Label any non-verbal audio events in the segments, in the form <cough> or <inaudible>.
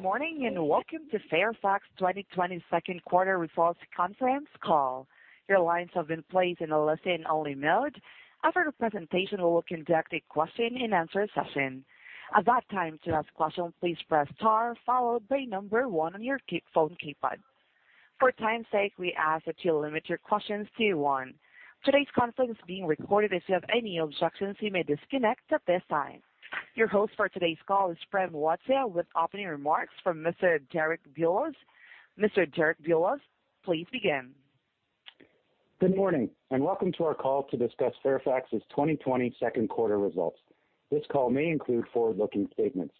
Good morning, and welcome to Fairfax 2020 second quarter results conference call. Your lines have been placed in a listen-only mode. After the presentation, we will conduct a question-and-answer session. At that time, to ask questions, please press star followed by number one on your phone keypad. For time's sake, we ask that you limit your questions to one. Today's conference is being recorded. If you have any objections, you may disconnect at this time. Your host for today's call is Prem Watsa, with opening remarks from Mr. Derek Bulas. Mr. Derek Bulas, please begin. Good morning, and welcome to our call to discuss Fairfax's 2020 second quarter results. This call may include forward-looking statements.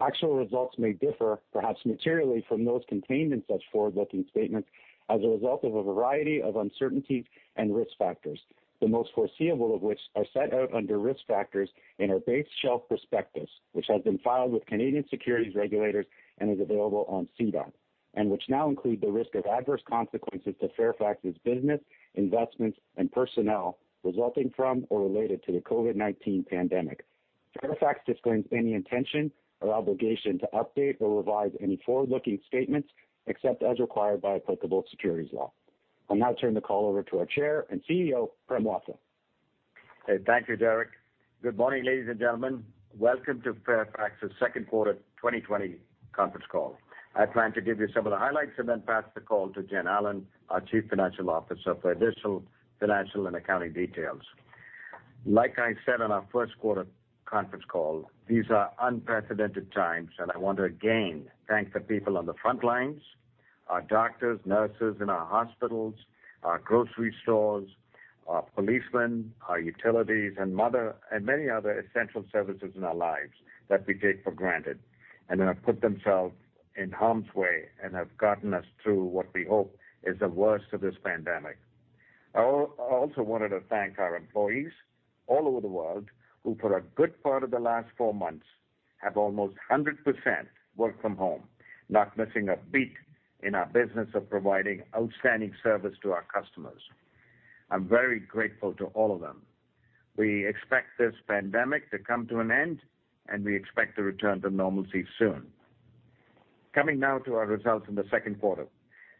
Actual results may differ, perhaps materially, from those contained in such forward-looking statements as a result of a variety of uncertainties and risk factors, the most foreseeable of which are set out under risk factors in our base shelf prospectus, which has been filed with Canadian securities regulators and is available on SEDAR, and which now include the risk of adverse consequences to Fairfax's business, investments, and personnel resulting from or related to the COVID-19 pandemic. Fairfax disclaims any intention or obligation to update or revise any forward-looking statements except as required by applicable securities law. I'll now turn the call over to our Chair and CEO, Prem Watsa. Thank you, Derek. Good morning, ladies and gentlemen. Welcome to Fairfax's second quarter 2020 conference call. I plan to give you some of the highlights and then pass the call to Jen Allen, our Chief Financial Officer, for additional financial and accounting details. Like I said on our first quarter conference call, these are unprecedented times, I want to again thank the people on the front lines, our doctors, nurses in our hospitals, our grocery stores, our policemen, our utilities, and many other essential services in our lives that we take for granted and have put themselves in harm's way and have gotten us through what we hope is the worst of this pandemic. I also wanted to thank our employees all over the world, who for a good part of the last four months have almost 100% worked from home, not missing a beat in our business of providing outstanding service to our customers. I'm very grateful to all of them. We expect this pandemic to come to an end, and we expect to return to normalcy soon. Coming now to our results in the second quarter.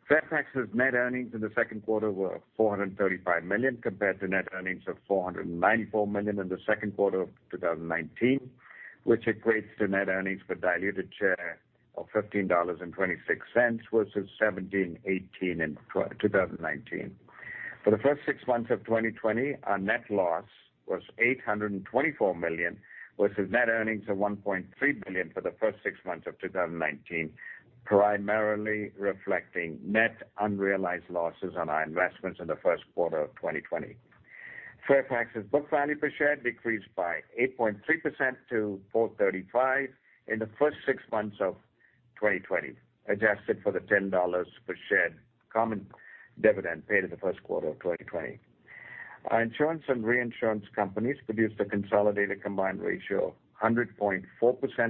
Fairfax's net earnings in the second quarter were $435 million compared to net earnings of $494 million in the second quarter of 2019, which equates to net earnings per diluted share of $15.26 versus $17.18 in 2019. For the first six months of 2020, our net loss was $824 million, versus net earnings of $1.3 billion for the first six months of 2019, primarily reflecting net unrealized losses on our investments in the first quarter of 2020. Fairfax's book value per share decreased by 8.3% to $435 in the first six months of 2020, adjusted for the $10 per share common dividend paid in the first quarter of 2020. Our Insurance and Reinsurance companies produced a consolidated combined ratio of 100.4%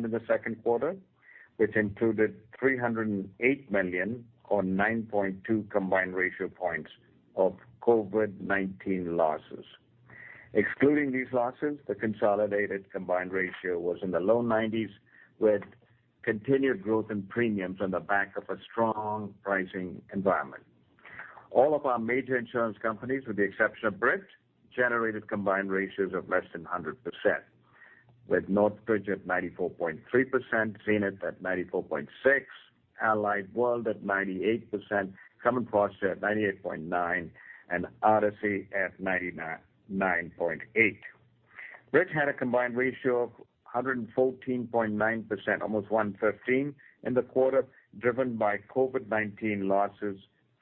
in the second quarter, which included $308 million, or 9.2 combined ratio points of COVID-19 losses. Excluding these losses, the consolidated combined ratio was in the low 90%s, with continued growth in premiums on the back of a strong pricing environment. All of our major insurance companies, with the exception of Brit, generated combined ratios of less than 100%, with Northbridge at 94.3%, Zenith at 94.6%, Allied World at 98%, Crum & Forster at 98.9%, and Odyssey at 99.8%. Brit had a combined ratio of 114.9%, almost 115%, in the quarter, driven by COVID-19 losses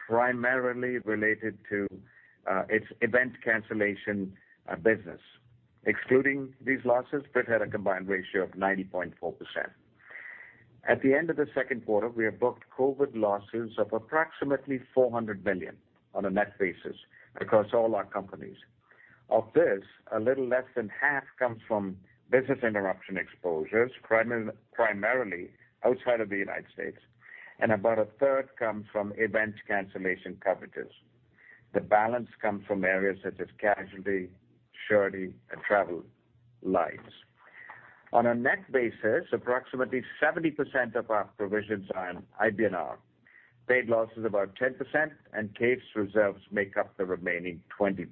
primarily related to its event cancellation business. Excluding these losses, Brit had a combined ratio of 90.4%. At the end of the second quarter, we have booked COVID losses of approximately $400 million on a net basis across all our companies. Of this, a little less than half comes from business interruption exposures, primarily outside of the U.S., and about a third comes from event cancellation coverages. The balance comes from areas such as casualty, surety, and travel lines. On a net basis, approximately 70% of our provisions are IBNR. Paid loss is about 10%, and case reserves make up the remaining 20%.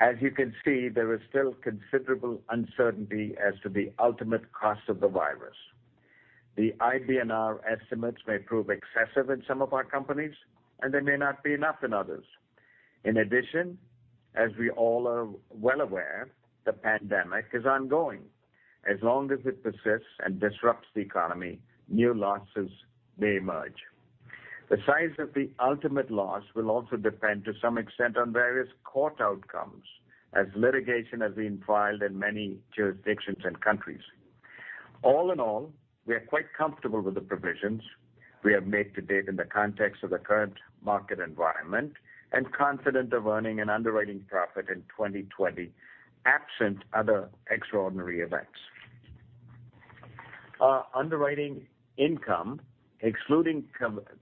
As you can see, there is still considerable uncertainty as to the ultimate cost of the virus. The IBNR estimates may prove excessive in some of our companies, and they may not be enough in others. In addition, as we all are well aware, the pandemic is ongoing. As long as it persists and disrupts the economy, new losses may emerge. The size of the ultimate loss will also depend to some extent on various court outcomes, as litigation has been filed in many jurisdictions and countries. All in all, we are quite comfortable with the provisions we have made to date in the context of the current market environment and confident of earning an underwriting profit in 2020, absent other extraordinary events. Our underwriting income, excluding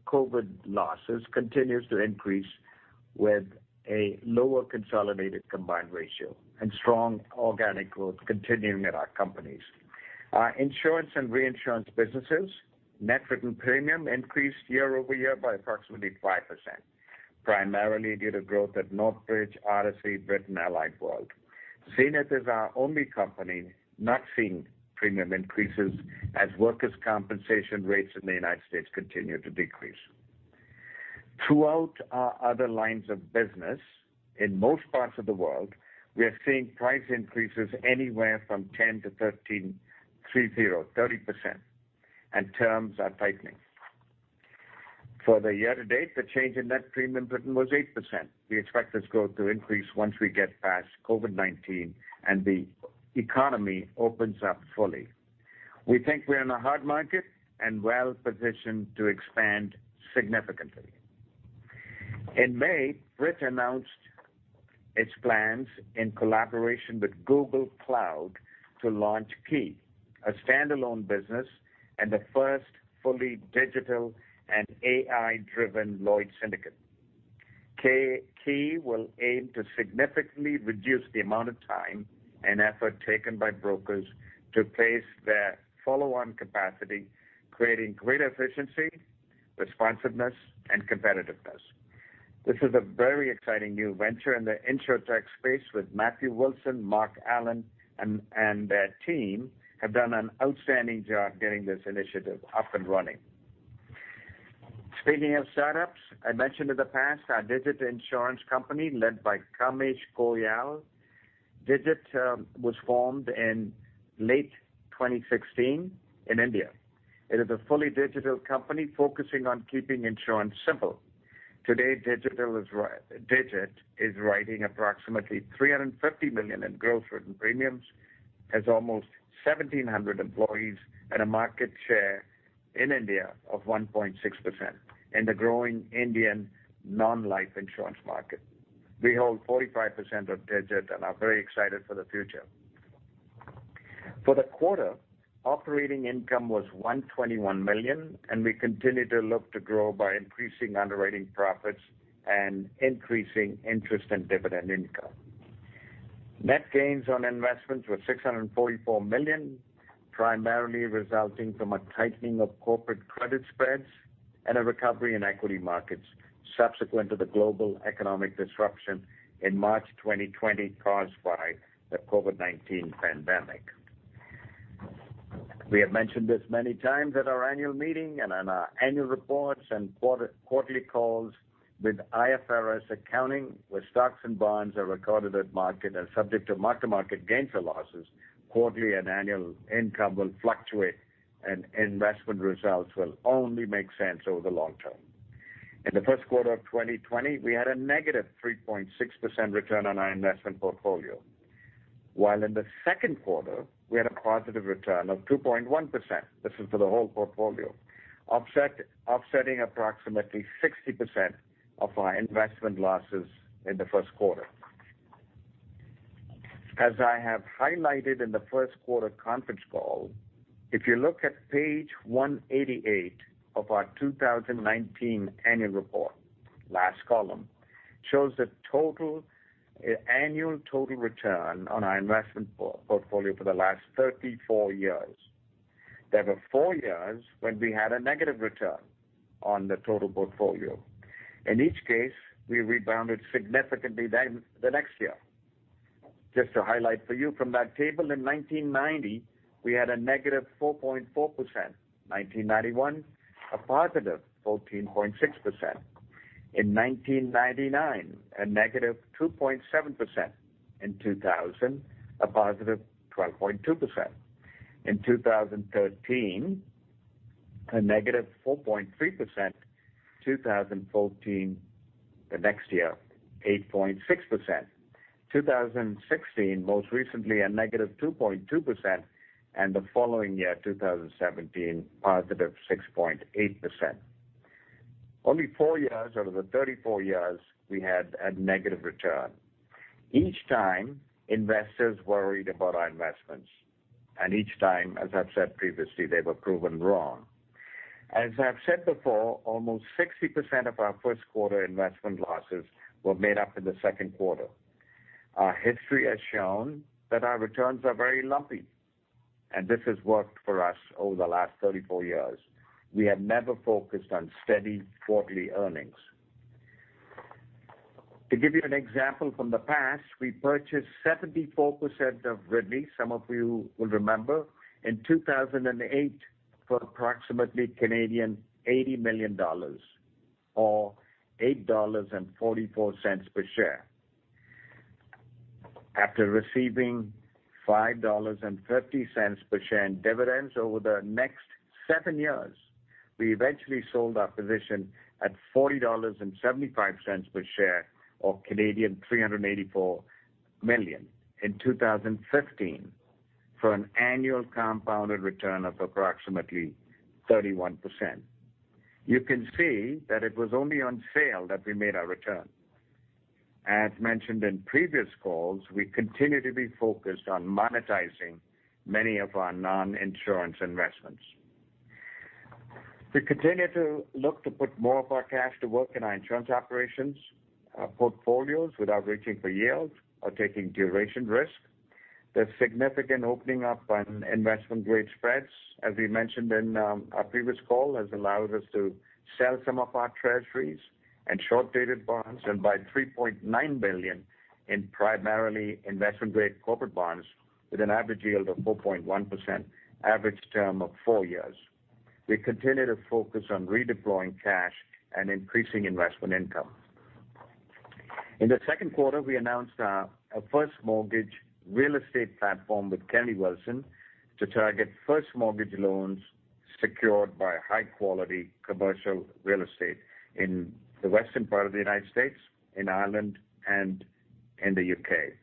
COVID losses, continues to increase with a lower consolidated combined ratio and strong organic growth continuing at our companies. Our Insurance and Reinsurance businesses' net written premium increased year-over-year by approximately 5%, primarily due to growth at Northbridge, Odyssey, Brit and Allied World. Zenith is our only company not seeing premium increases as workers' compensation rates in the U.S. continue to decrease. Throughout our other lines of business, in most parts of the world, we are seeing price increases anywhere from 10% to 30%, and terms are tightening. For the year-to-date, the change in net premium written was 8%. We expect this growth to increase once we get past COVID-19 and the economy opens up fully. We think we're in a hard market and well-positioned to expand significantly. In May, Brit announced its plans in collaboration with Google Cloud to launch Ki, a standalone business and the first fully digital and AI-driven Lloyd's syndicate. Ki will aim to significantly reduce the amount of time and effort taken by brokers to place their follow-on capacity, creating greater efficiency, responsiveness, and competitiveness. This is a very exciting new venture in the Insurtech space with Matthew Wilson, Mark Allan, and their team have done an outstanding job getting this initiative up and running. Speaking of startups, I mentioned in the past our Digit Insurance company led by Kamesh Goyal. Digit was formed in late 2016 in India. It is a fully digital company focusing on keeping insurance simple. Today, Digit is writing approximately $350 million in gross written premiums, has almost 1,700 employees, and a market share in India of 1.6% in the growing Indian non-life insurance market. We hold 45% of Digit and are very excited for the future. For the quarter, operating income was $121 million, and we continue to look to grow by increasing underwriting profits and increasing interest and dividend income. Net gains on investments were $644 million, primarily resulting from a tightening of corporate credit spreads and a recovery in equity markets subsequent to the global economic disruption in March 2020 caused by the COVID-19 pandemic. We have mentioned this many times at our annual meeting and in our annual reports and quarterly calls with IFRS accounting, where stocks and bonds are recorded at market and subject to mark-to-market gains or losses, quarterly and annual income will fluctuate, and investment results will only make sense over the long term. In the first quarter of 2020, we had a -3.6% return on our investment portfolio, while in the second quarter, we had a positive return of 2.1%. This is for the whole portfolio. Offsetting approximately 60% of our investment losses in the first quarter. As I have highlighted in the first quarter conference call, if you look at page 188 of our 2019 annual report, last column, shows the annual total return on our investment portfolio for the last 34 years. There were four years when we had a negative return on the total portfolio. In each case, we rebounded significantly the next year. Just to highlight for you from that table, in 1990, we had a -4.4%, 1991, a +14.6%. In 1999, a -2.7%, in 2000, a +12.2%. In 2013, a -4.3%, 2014, the next year, 8.6%. 2016, most recently, a -2.2%. The following year, 2017, +6.8%. Only four years out of the 34 years we had a negative return. Each time, investors worried about our investments, and each time, as I've said previously, they were proven wrong. As I've said before, almost 60% of our first quarter investment losses were made up in the second quarter. Our history has shown that our returns are very lumpy, and this has worked for us over the last 34 years. We have never focused on steady quarterly earnings. To give you an example from the past, we purchased 74% of Ridley, some of you will remember, in 2008 for approximately 80 million Canadian dollars or 8.44 dollars per share. After receiving 5.50 dollars per share in dividends over the next seven years, we eventually sold our position at 40.75 dollars per share or 384 million Canadian dollars in 2015 for an annual compounded return of approximately 31%. You can see that it was only on sale that we made our return. As mentioned in previous calls, we continue to be focused on monetizing many of our non-insurance investments. We continue to look to put more of our cash to work in our insurance operations portfolios without reaching for yield or taking duration risk. The significant opening up on investment-grade spreads, as we mentioned in our previous call, has allowed us to sell some of our treasuries and short-dated bonds and buy 3.9 billion in primarily investment-grade corporate bonds with an average yield of 4.1%, average term of four years. We continue to focus on redeploying cash and increasing investment income. In the second quarter, we announced our first-mortgage real estate platform with Kennedy Wilson to target first-mortgage loans secured by high-quality commercial real estate in the western part of the U.S., in Ireland, and in the U.K.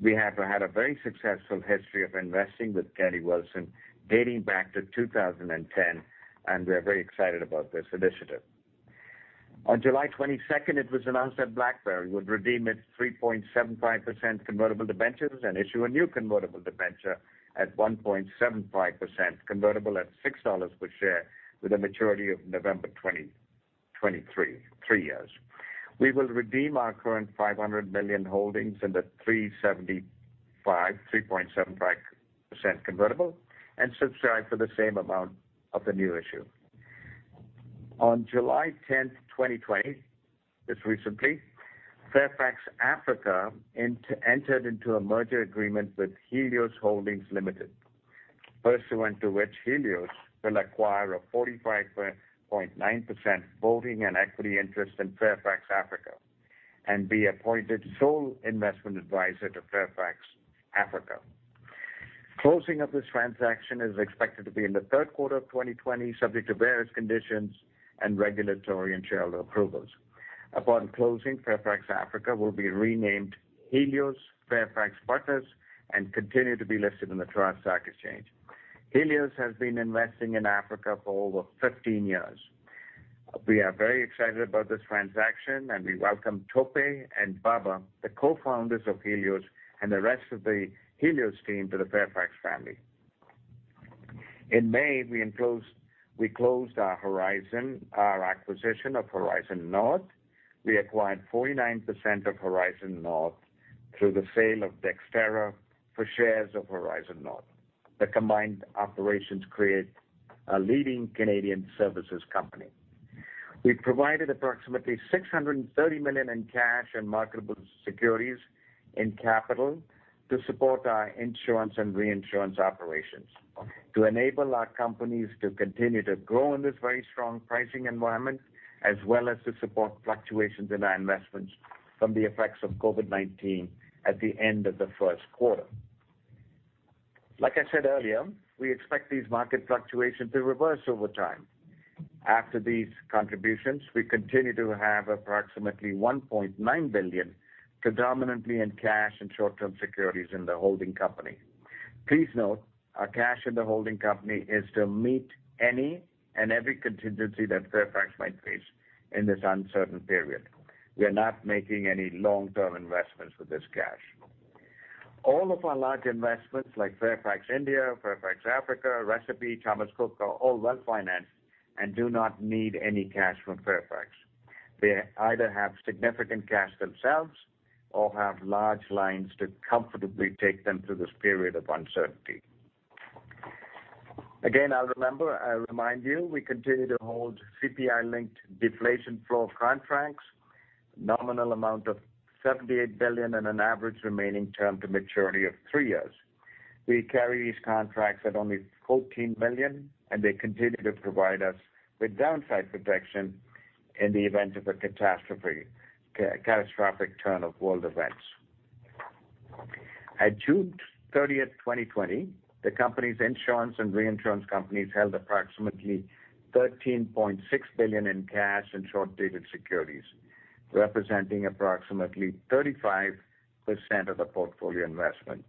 We have had a very successful history of investing with Kennedy Wilson dating back to 2010, and we are very excited about this initiative. On July 22nd, it was announced that BlackBerry would redeem its 3.75% convertible debentures and issue a new convertible debenture at 1.75%, convertible at $6 per share with a maturity of November 2023, three years. We will redeem our current $500 million holdings in the 3.75% convertible and subscribe for the same amount of the new issue. On July 10th, 2020, just recently, Fairfax Africa entered into a merger agreement with Helios Holdings Limited, pursuant to which Helios will acquire a 45.9% voting and equity interest in Fairfax Africa and be appointed sole investment advisor to Fairfax Africa. Closing of this transaction is expected to be in the third quarter of 2020, subject to various conditions and regulatory and shareholder approvals. Upon closing, Fairfax Africa will be renamed Helios Fairfax Partners and continue to be listed on the Toronto Stock Exchange. Helios has been investing in Africa for over 15 years. We are very excited about this transaction, and we welcome Tope and Baba, the co-founders of Helios, and the rest of the Helios team to the Fairfax family. In May, we closed our acquisition of Horizon North. We acquired 49% of Horizon North through the sale of Dexterra for shares of Horizon North. The combined operations create a leading Canadian services company. We provided approximately $630 million in cash and marketable securities in capital to support our Insurance and Reinsurance operations, to enable our companies to continue to grow in this very strong pricing environment, as well as to support fluctuations in our investments from the effects of COVID-19 at the end of the first quarter. Like I said earlier, we expect these market fluctuations to reverse over time. After these contributions, we continue to have approximately $1.9 billion predominantly in cash and short-term securities in the holding company. Please note, our cash in the holding company is to meet any and every contingency that Fairfax might face in this uncertain period. We are not making any long-term investments with this cash. All of our large investments, like Fairfax India, Fairfax Africa, Recipe, Thomas Cook, are all well-financed and do not need any cash from Fairfax. They either have significant cash themselves or have large lines to comfortably take them through this period of uncertainty. Again, I'll remind you, we continue to hold CPI-linked deflation floor contracts, nominal amount of $78 billion, and an average remaining term to maturity of three years. We carry these contracts at only $14 million, and they continue to provide us with downside protection in the event of a catastrophic turn of world events. At June 30th, 2020, the company's Insurance and Reinsurance companies held approximately $13.6 billion in cash and short-dated securities, representing approximately 35% of the portfolio investments.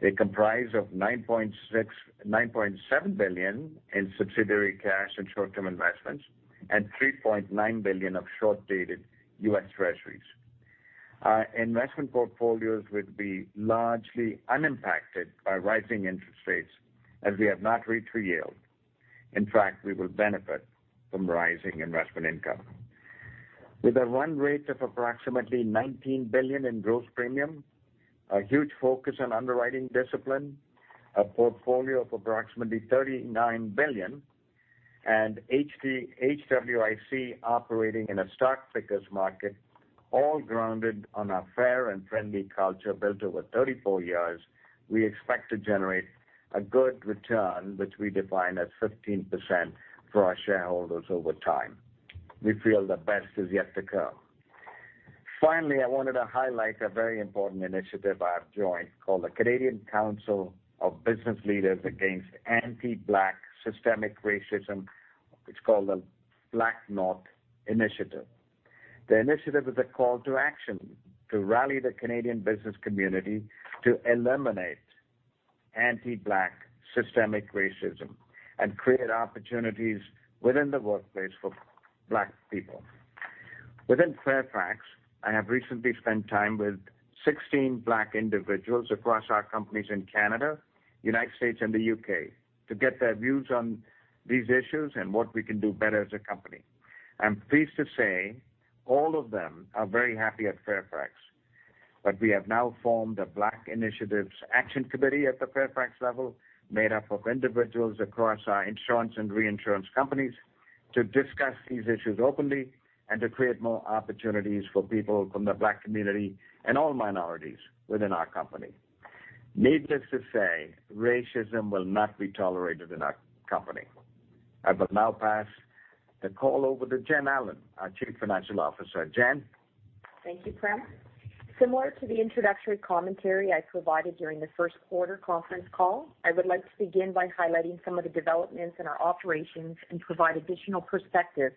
They comprise of $9.7 billion in subsidiary cash and short-term investments and $3.9 billion of short-dated U.S. Treasuries. Our investment portfolios would be largely unimpacted by rising interest rates as we have not reached for yield. In fact, we will benefit from rising investment income. With a run rate of approximately 19 billion in gross premium, a huge focus on underwriting discipline, a portfolio of approximately 39 billion, and HWIC operating in a stock picker's market, all grounded on our fair and friendly culture built over 34 years, we expect to generate a good return, which we define as 15% for our shareholders over time. We feel the best is yet to come. Finally, I wanted to highlight a very important initiative I've joined called the Canadian Council of Business Leaders Against Anti-Black Systemic Racism. It's called the BlackNorth Initiative. The initiative is a call to action to rally the Canadian business community to eliminate anti-Black systemic racism and create opportunities within the workplace for Black people. Within Fairfax, I have recently spent time with 16 Black individuals across our companies in Canada, U.S., and the U.K. to get their views on these issues and what we can do better as a company. I'm pleased to say all of them are very happy at Fairfax, We have now formed a Black Initiatives Action Committee at the Fairfax level, made up of individuals across our Insurance and Reinsurance companies to discuss these issues openly and to create more opportunities for people from the Black community and all minorities within our company. Needless to say, racism will not be tolerated in our company. I will now pass the call over to Jen Allen, our Chief Financial Officer. Jen? Thank you, Prem. Similar to the introductory commentary I provided during the first quarter conference call, I would like to begin by highlighting some of the developments in our operations and provide additional perspective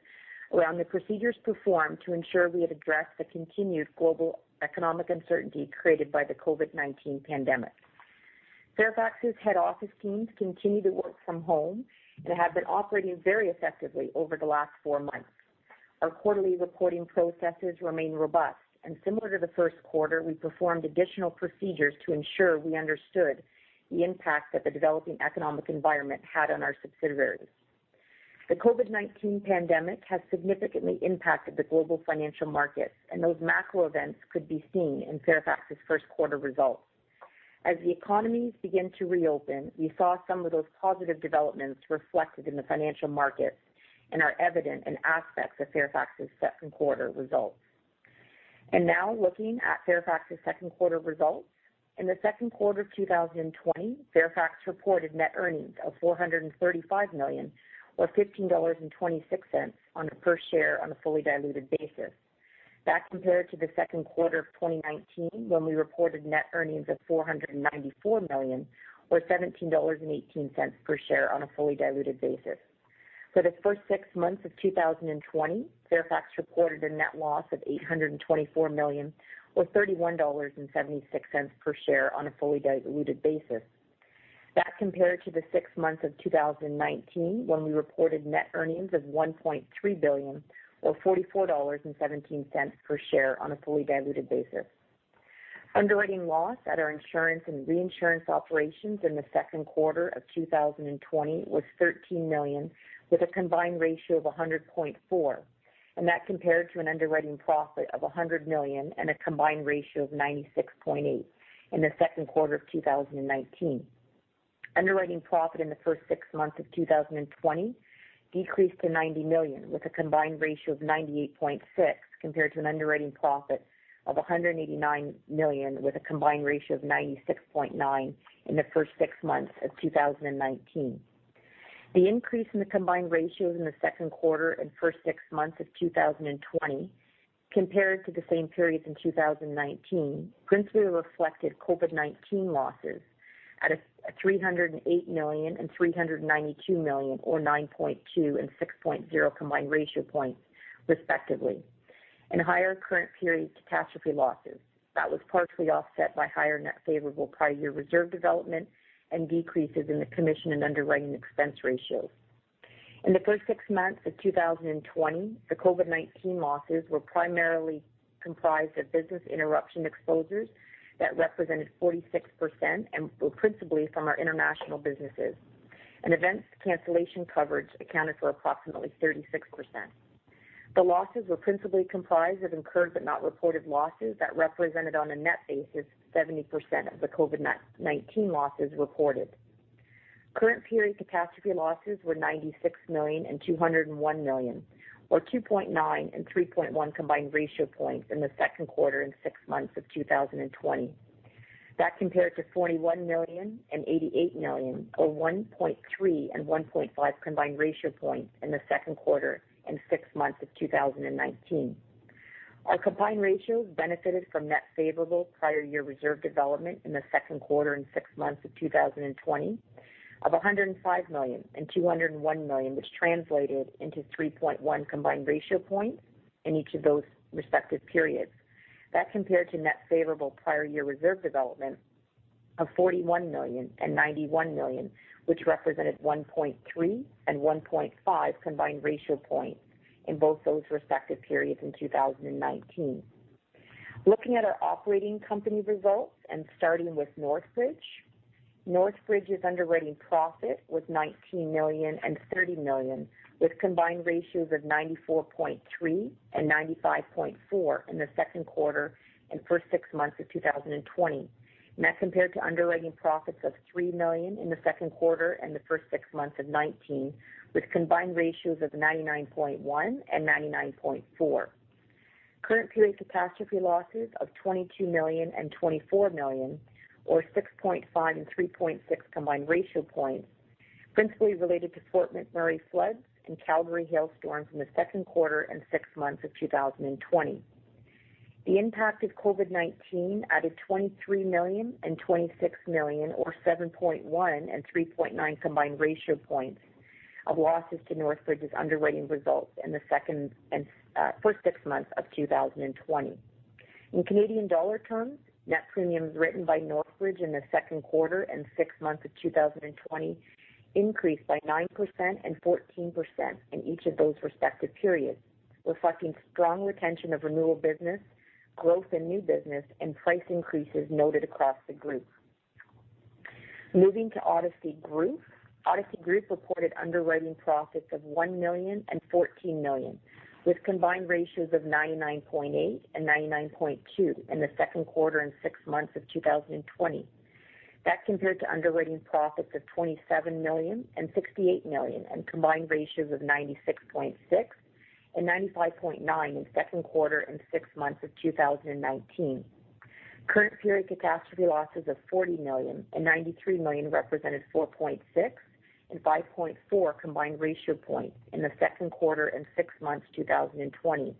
around the procedures performed to ensure we have addressed the continued global economic uncertainty created by the COVID-19 pandemic. Fairfax's head office teams continue to work from home and have been operating very effectively over the last four months. Our quarterly reporting processes remain robust, similar to the first quarter, we performed additional procedures to ensure we understood the impact that the developing economic environment had on our subsidiaries. The COVID-19 pandemic has significantly impacted the global financial markets, and those macro events could be seen in Fairfax's first quarter results. As the economies begin to reopen, we saw some of those positive developments reflected in the financial markets and are evident in aspects of Fairfax's second quarter results. Now looking at Fairfax's second quarter results. In the second quarter of 2020, Fairfax reported net earnings of $435 million or $15.26 on a per share on a fully diluted basis. That compared to the second quarter of 2019, when we reported net earnings of $494 million or $17.18 per share on a fully diluted basis. For the first six months of 2020, Fairfax reported a net loss of $824 million or $31.76 per share on a fully diluted basis. That compared to the six months of 2019, when we reported net earnings of $1.3 billion or $44.17 per share on a fully diluted basis. Underwriting loss at our Insurance and Reinsurance operations in the second quarter of 2020 was $13 million, with a combined ratio of 100.4%. That compared to an underwriting profit of $100 million and a combined ratio of 96.8% in the second quarter of 2019. Underwriting profit in the first six months of 2020 decreased to $90 million, with a combined ratio of 98.6%, compared to an underwriting profit of $189 million, with a combined ratio of 96.9% in the first six months of 2019. The increase in the combined ratios in the second quarter and first six months of 2020 compared to the same periods in 2019 principally reflected COVID-19 losses at $308 million and $392 million, or 9.2 and 6.0 combined ratio points respectively, and higher current period catastrophe losses that was partially offset by higher net favorable prior year reserve development and decreases in the commission and underwriting expense ratios. In the first six months of 2020, the COVID-19 losses were primarily comprised of business interruption exposures that represented 46% and were principally from our international businesses. Events cancellation coverage accounted for approximately 36%. The losses were principally comprised of incurred but not reported losses that represented, on a net basis, 70% of the COVID-19 losses reported. Current period catastrophe losses were $96 million and $201 million, or 2.9 and 3.1 combined ratio points in the second quarter and six months of 2020. That compared to $41 million and $88 million, or 1.3 and 1.5 combined ratio points in the second quarter and six months of 2019. Our combined ratio benefited from net favorable prior year reserve development in the second quarter and six months of 2020 of $105 million and $201 million, which translated into 3.1 combined ratio points in each of those respective periods. That compared to net favorable prior year reserve development of $41 million and $91 million, which represented 1.3 and 1.5 combined ratio points in both those respective periods in 2019. Looking at our operating company results and starting with Northbridge. Northbridge's underwriting profit was $19 million and $30 million, with combined ratios of 94.3% and 95.4% in the second quarter and first six months of 2020, and that compared to underwriting profits of $3 million in the second quarter and the first six months of 2019, with combined ratios of 99.1% and 99.4%. Current period catastrophe losses of $22 million and $24 million, or 6.5 and 3.6 combined ratio points, principally related to Fort McMurray floods and Calgary hailstorms in the second quarter and six months of 2020. The impact of COVID-19 added $23 million and $26 million, or 7.1 and 3.9 combined ratio points of losses to Northbridge's underwriting results in the first six months of 2020. In Canadian dollar terms, net premiums written by Northbridge in the second quarter and six months of 2020 increased by 9% and 14% in each of those respective periods, reflecting strong retention of renewal business, growth in new business, and price increases noted across the group. Moving to Odyssey Group. Odyssey Group reported underwriting profits of $1 million and $14 million, with combined ratios of 99.8% and 99.2% in the second quarter and six months of 2020. That compared to underwriting profits of $27 million and $68 million, and combined ratios of 96.6% and 95.9% in second quarter and six months of 2019. Current period catastrophe losses of $40 million and $93 million represented 4.6 and 5.4 combined ratio points in the second quarter and six months 2020.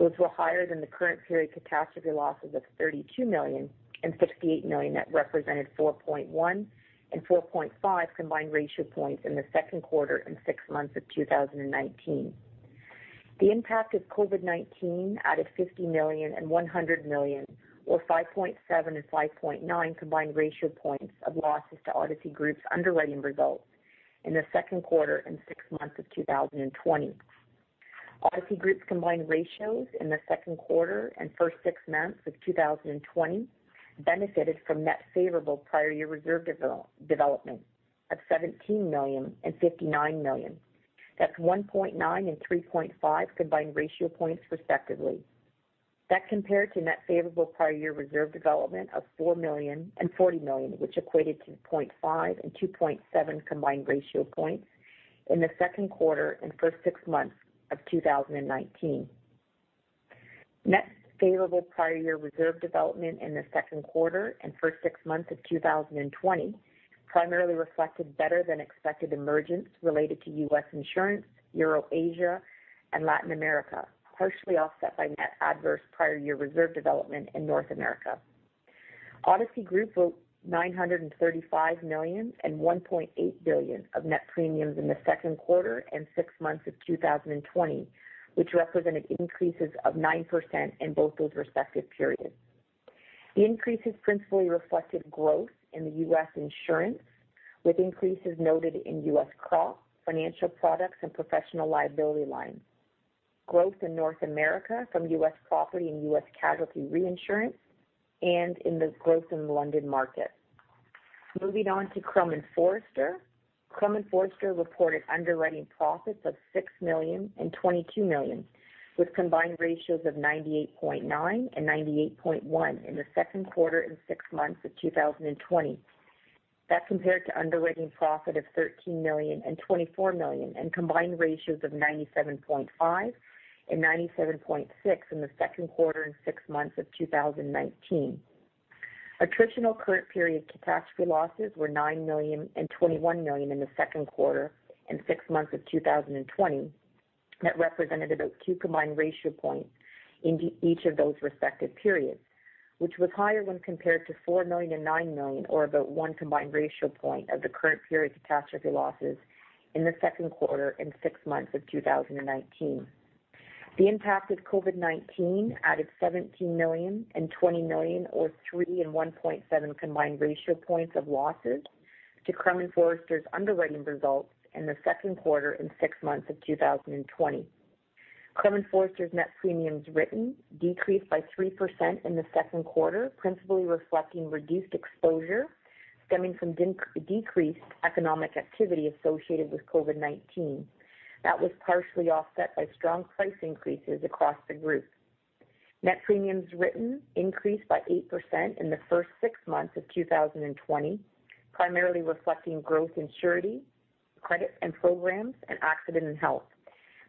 Those were higher than the current period catastrophe losses of $32 million and $68 million that represented 4.1 and 4.5 combined ratio points in the second quarter and six months of 2019. The impact of COVID-19 added $50 million and $100 million, or 5.7 and 5.9 combined ratio points of losses to Odyssey Group's underwriting results in the second quarter and six months of 2020. Odyssey Group's combined ratios in the second quarter and first six months of 2020 benefited from net favorable prior year reserve development of $17 million and $59 million. That's 1.9 and 3.5 combined ratio points respectively. That compared to net favorable prior year reserve development of $4 million and $40 million, which equated to 0.5 and 2.7 combined ratio points in the second quarter and first six months of 2019. Net favorable prior year reserve development in the second quarter and first six months of 2020 primarily reflected better than expected emergence related to U.S. insurance, EuroAsia, and Latin America, partially offset by net adverse prior year reserve development in North America. Odyssey Group wrote $935 million and $1.8 billion of net premiums in the second quarter and six months of 2020, which represented increases of 9% in both those respective periods. The increases principally reflected growth in the U.S. insurance, with increases noted in U.S. crop, financial products, and professional liability lines, growth in North America from U.S. property and U.S. casualty reinsurance, and in the growth in London market. Moving on to Crum & Forster. Crum & Forster reported underwriting profits of $6 million and $22 million, with combined ratios of 98.9% and 98.1% in the second quarter and six months of 2020. That's compared to underwriting profit of $13 million and $24 million, and combined ratios of 97.5% and 97.6% in the second quarter and six months of 2019. Attritional current period catastrophe losses were $9 million and $21 million in the second quarter and six months of 2020. That represented about two combined ratio points in each of those respective periods, which was higher when compared to $4 million and $9 million or about 1 combined ratio point of the current period catastrophe losses in the second quarter and six months of 2019. The impact of COVID-19 added $17 million and $20 million, or 3 and 1.7 combined ratio points of losses to Crum & Forster's underwriting results in the second quarter and six months of 2020. Crum & Forster's net premiums written decreased by 3% in the second quarter, principally reflecting reduced exposure stemming from decreased economic activity associated with COVID-19. That was partially offset by strong price increases across the group. Net premiums written increased by 8% in the first six months of 2020, primarily reflecting growth in surety, credit and programs, and accident and health,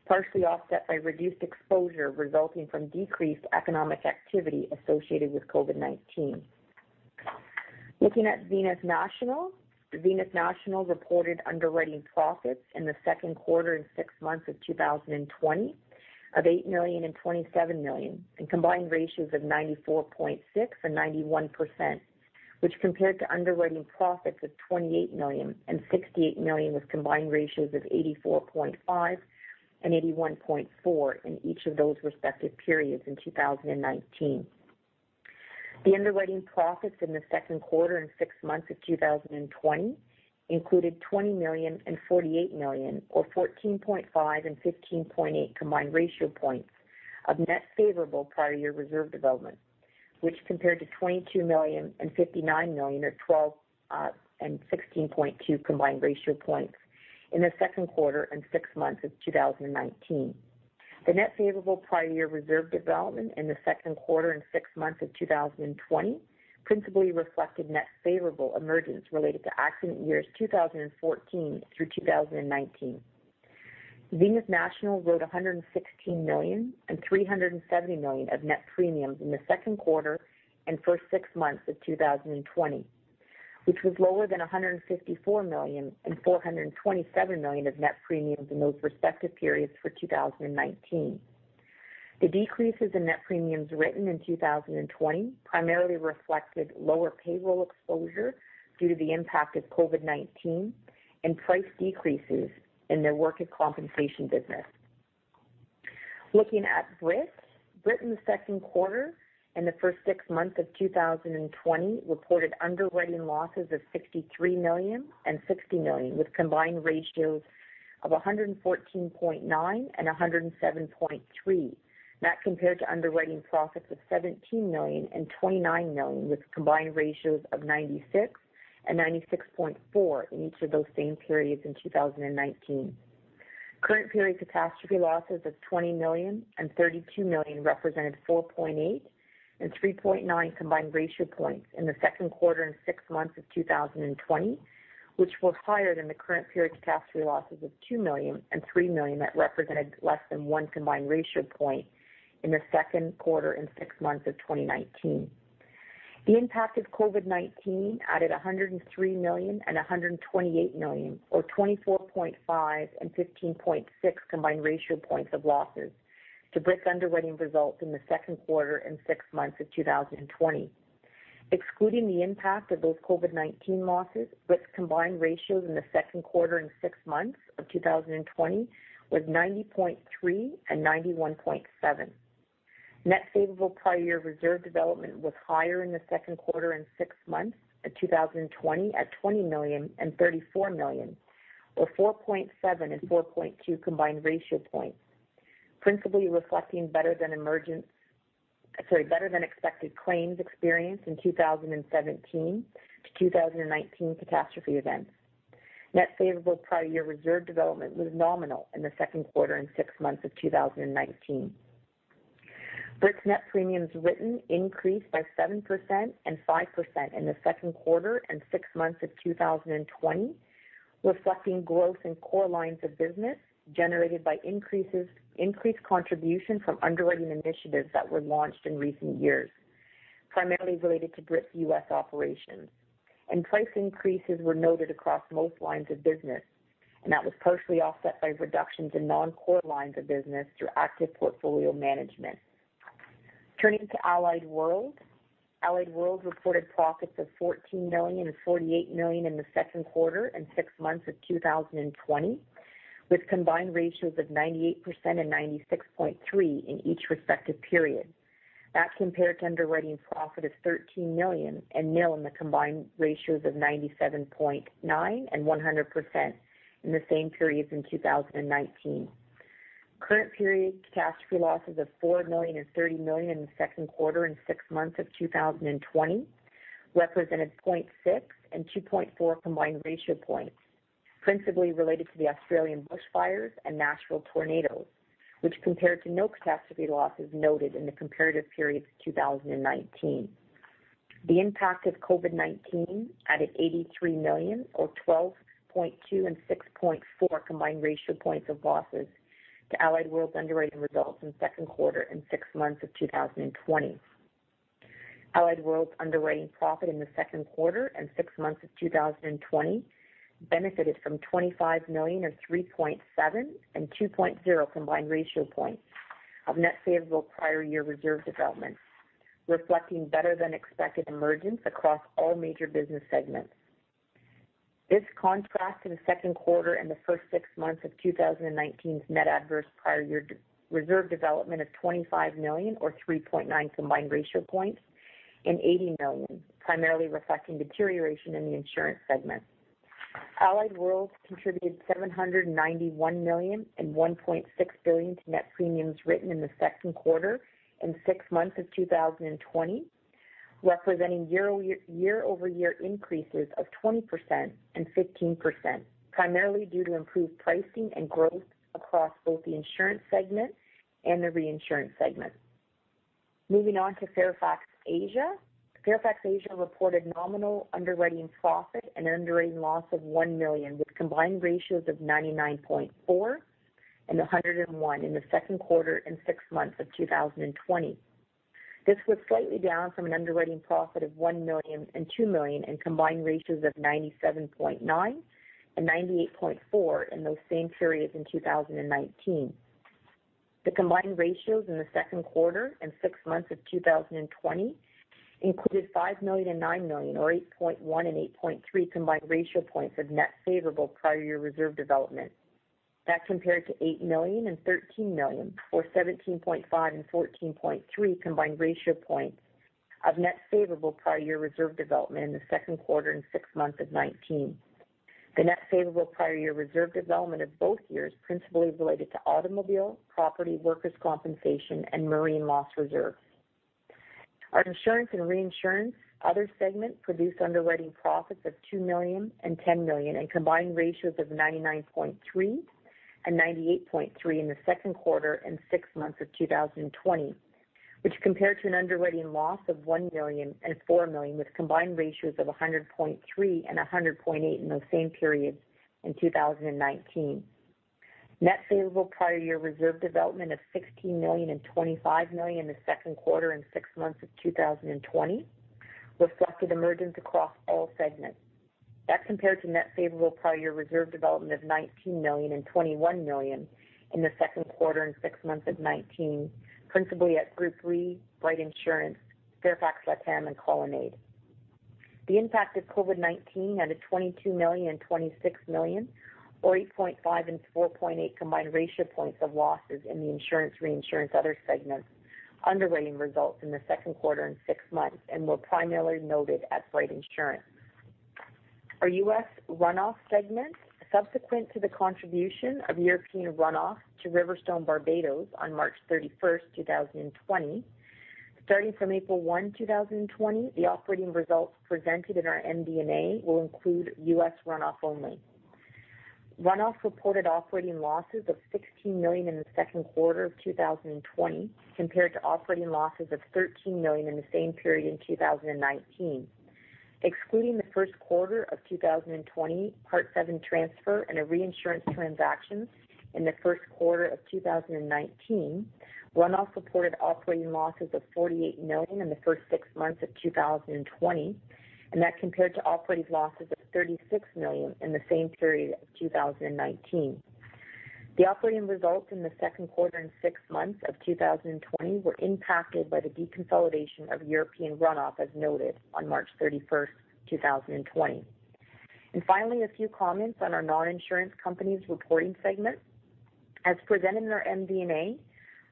partially offset by reduced exposure resulting from decreased economic activity associated with COVID-19. Looking at Zenith National. Zenith National reported underwriting profits in the second quarter and six months of 2020 of $8 million and $27 million, and combined ratios of 94.6% and 91%, which compared to underwriting profits of $28 million and $68 million with combined ratios of 84.5% and 81.4% in each of those respective periods in 2019. The underwriting profits in the second quarter and six months of 2020 included $20 million and $48 million, or 14.5 and 15.8 combined ratio points of net favorable prior year reserve development, which compared to $22 million and $59 million, or 12 and 16.2 combined ratio points in the second quarter and six months of 2019. The net favorable prior year reserve development in the second quarter and six months of 2020 principally reflected net favorable emergence related to accident years 2014 through 2019. Zenith National wrote $116 million and $370 million of net premiums in the second quarter and first six months of 2020, which was lower than $154 million and $427 million of net premiums in those respective periods for 2019. The decreases in net premiums written in 2020 primarily reflected lower payroll exposure due to the impact of COVID-19 and price decreases in their workers' compensation business. Looking at Brit. Brit in the second quarter and the first six months of 2020 reported underwriting losses of $63 million and $60 million, with combined ratios of 114.9% and 107.3%. That compared to underwriting profits of $17 million and $29 million, with combined ratios of 96% and 96.4% in each of those same periods in 2019. Current period catastrophe losses of $20 million and $32 million represented 4.8 and 3.9 combined ratio points in the second quarter and six months of 2020, which were higher than the current period catastrophe losses of $2 million and $3 million that represented less than one combined ratio point in the second quarter and six months of 2019. The impact of COVID-19 added $103 million and $128 million, or 24.5 and 15.6 combined ratio points of losses to Brit's underwriting results in the second quarter and six months of 2020. Excluding the impact of those COVID-19 losses, Brit's combined ratios in the second quarter and six months of 2020 was 90.3% and 91.7%. Net favorable prior year reserve development was higher in the second quarter and six months of 2020 at $20 million and $34 million, or 4.7% and 4.2% combined ratio points, principally reflecting better than expected claims experience in 2017 to 2019 catastrophe events. Net favorable prior year reserve development was nominal in the second quarter and six months of 2019. Brit's net premiums written increased by 7% and 5% in the second quarter and six months of 2020, reflecting growth in core lines of business generated by increased contribution from underwriting initiatives that were launched in recent years, primarily related to Brit's U.S. operations. Price increases were noted across most lines of business, and that was partially offset by reductions in non-core lines of business through active portfolio management. Turning to Allied World. Allied World reported profits of $14 million and $48 million in the second quarter and six months of 2020, with combined ratios of 98% and 96.3% in each respective period. That compared to underwriting profit of $13 million and nil in the combined ratios of 97.9% and 100% in the same periods in 2019. Current period catastrophe losses of $4 million and $30 million in the second quarter and six months of 2020 represented 0.6 and 2.4 combined ratio points, principally related to the Australian bushfires and Nashville tornadoes, which compared to no catastrophe losses noted in the comparative periods of 2019. The impact of COVID-19 added $83 million, or 12.2 and 6.4 combined ratio points of losses to Allied World's underwriting results in the second quarter and six months of 2020. Allied World’s underwriting profit in the second quarter and six months of 2020 benefited from $25 million, or 3.7 and 2.0 combined ratio points of net favorable prior year reserve development, reflecting better-than-expected emergence across all major business segments. This contrasts to the second quarter and the first six months of 2019’s net adverse prior year reserve development of $25 million or 3.9 combined ratio points and $80 million, primarily reflecting deterioration in the insurance segment. Allied World contributed $791 million and $1.6 billion to net premiums written in the second quarter and six months of 2020, representing year-over-year increases of 20% and 15%, primarily due to improved pricing and growth across both the insurance segment and the reinsurance segment. Moving on to Fairfax Asia. Fairfax Asia reported nominal underwriting profit and underwriting loss of 1 million, with combined ratios of 99.4% and 101% in the second quarter and six months of 2020. This was slightly down from an underwriting profit of $1 million and $2 million in combined ratios of 97.9% and 98.4% in those same periods in 2019. The combined ratios in the second quarter and six months of 2020 included $5 million and $9 million, or 8.1 and 8.3 combined ratio points of net favorable prior year reserve development. That compared to $8 million and $13 million, or 17.5 and 14.3 combined ratio points of net favorable prior year reserve development in the second quarter and six months of 2019. The net favorable prior year reserve development of both years principally related to automobile, property, workers' compensation, and marine loss reserves. Our Insurance and Reinsurance other segment produced underwriting profits of $2 million and $10 million in combined ratios of 99.3% and 98.3% in the second quarter and six months of 2020, which compared to an underwriting loss of $1 million and $4 million with combined ratios of 100.3% and 100.8% in those same periods in 2019. Net favorable prior year reserve development of $16 million and $25 million in the second quarter and six months of 2020 reflected emergence across all segments. That compared to net favorable prior year reserve development of $19 million and $21 million in the second quarter and six months of 2019, principally at Group Re, Bryte Insurance, Fairfax Latam, and Colonnade. The impact of COVID-19 out of $22 million and $26 million, or 8.5 and 4.8 combined ratio points of losses in the insurance, reinsurance, other segments, underwriting results in the second quarter and six months and were primarily noted at Bryte Insurance. Our U.S. runoff segment, subsequent to the contribution of European runoff to RiverStone Barbados on March 31st, 2020. Starting from April 1, 2020, the operating results presented in our MD&A will include U.S. runoff only. Runoff reported operating losses of $16 million in the second quarter of 2020 compared to operating losses of $13 million in the same period in 2019. Excluding the first quarter of 2020, Part VII transfer and a reinsurance transaction in the first quarter of 2019, runoff reported operating losses of $48 million in the first six months of 2020. That compared to operating losses of $36 million in the same period of 2019. The operating results in the second quarter and six months of 2020 were impacted by the deconsolidation of European runoff, as noted on March 31st, 2020. Finally, a few comments on our Non-Insurance Companies reporting segment. As presented in our MD&A,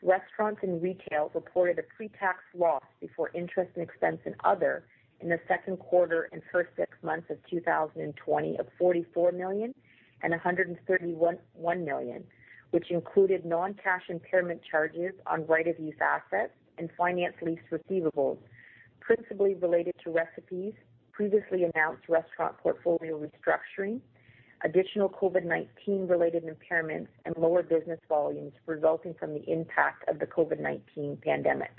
Restaurants and Retail reported a pre-tax loss before interest and expense and other in the second quarter and first six months of 2020 of $44 million and $131 million, which included non-cash impairment charges on right-of-use assets and finance lease receivables, principally related to Recipe's, previously announced restaurant portfolio restructuring, additional COVID-19 related impairments, and lower business volumes resulting from the impact of the COVID-19 pandemic.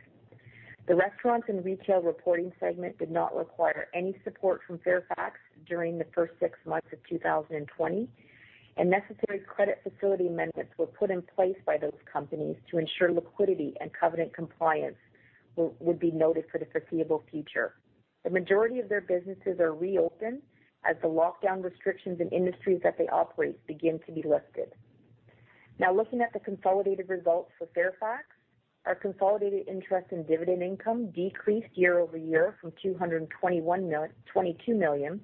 The Restaurants and Retail reporting segment did not require any support from Fairfax during the first six months of 2020, and necessary credit facility amendments were put in place by those companies to ensure liquidity and covenant compliance would be noted for the foreseeable future. The majority of their businesses are reopened as the lockdown restrictions in industries that they operate begin to be lifted. Looking at the consolidated results for Fairfax, our consolidated interest and dividend income decreased year-over-year from $222 million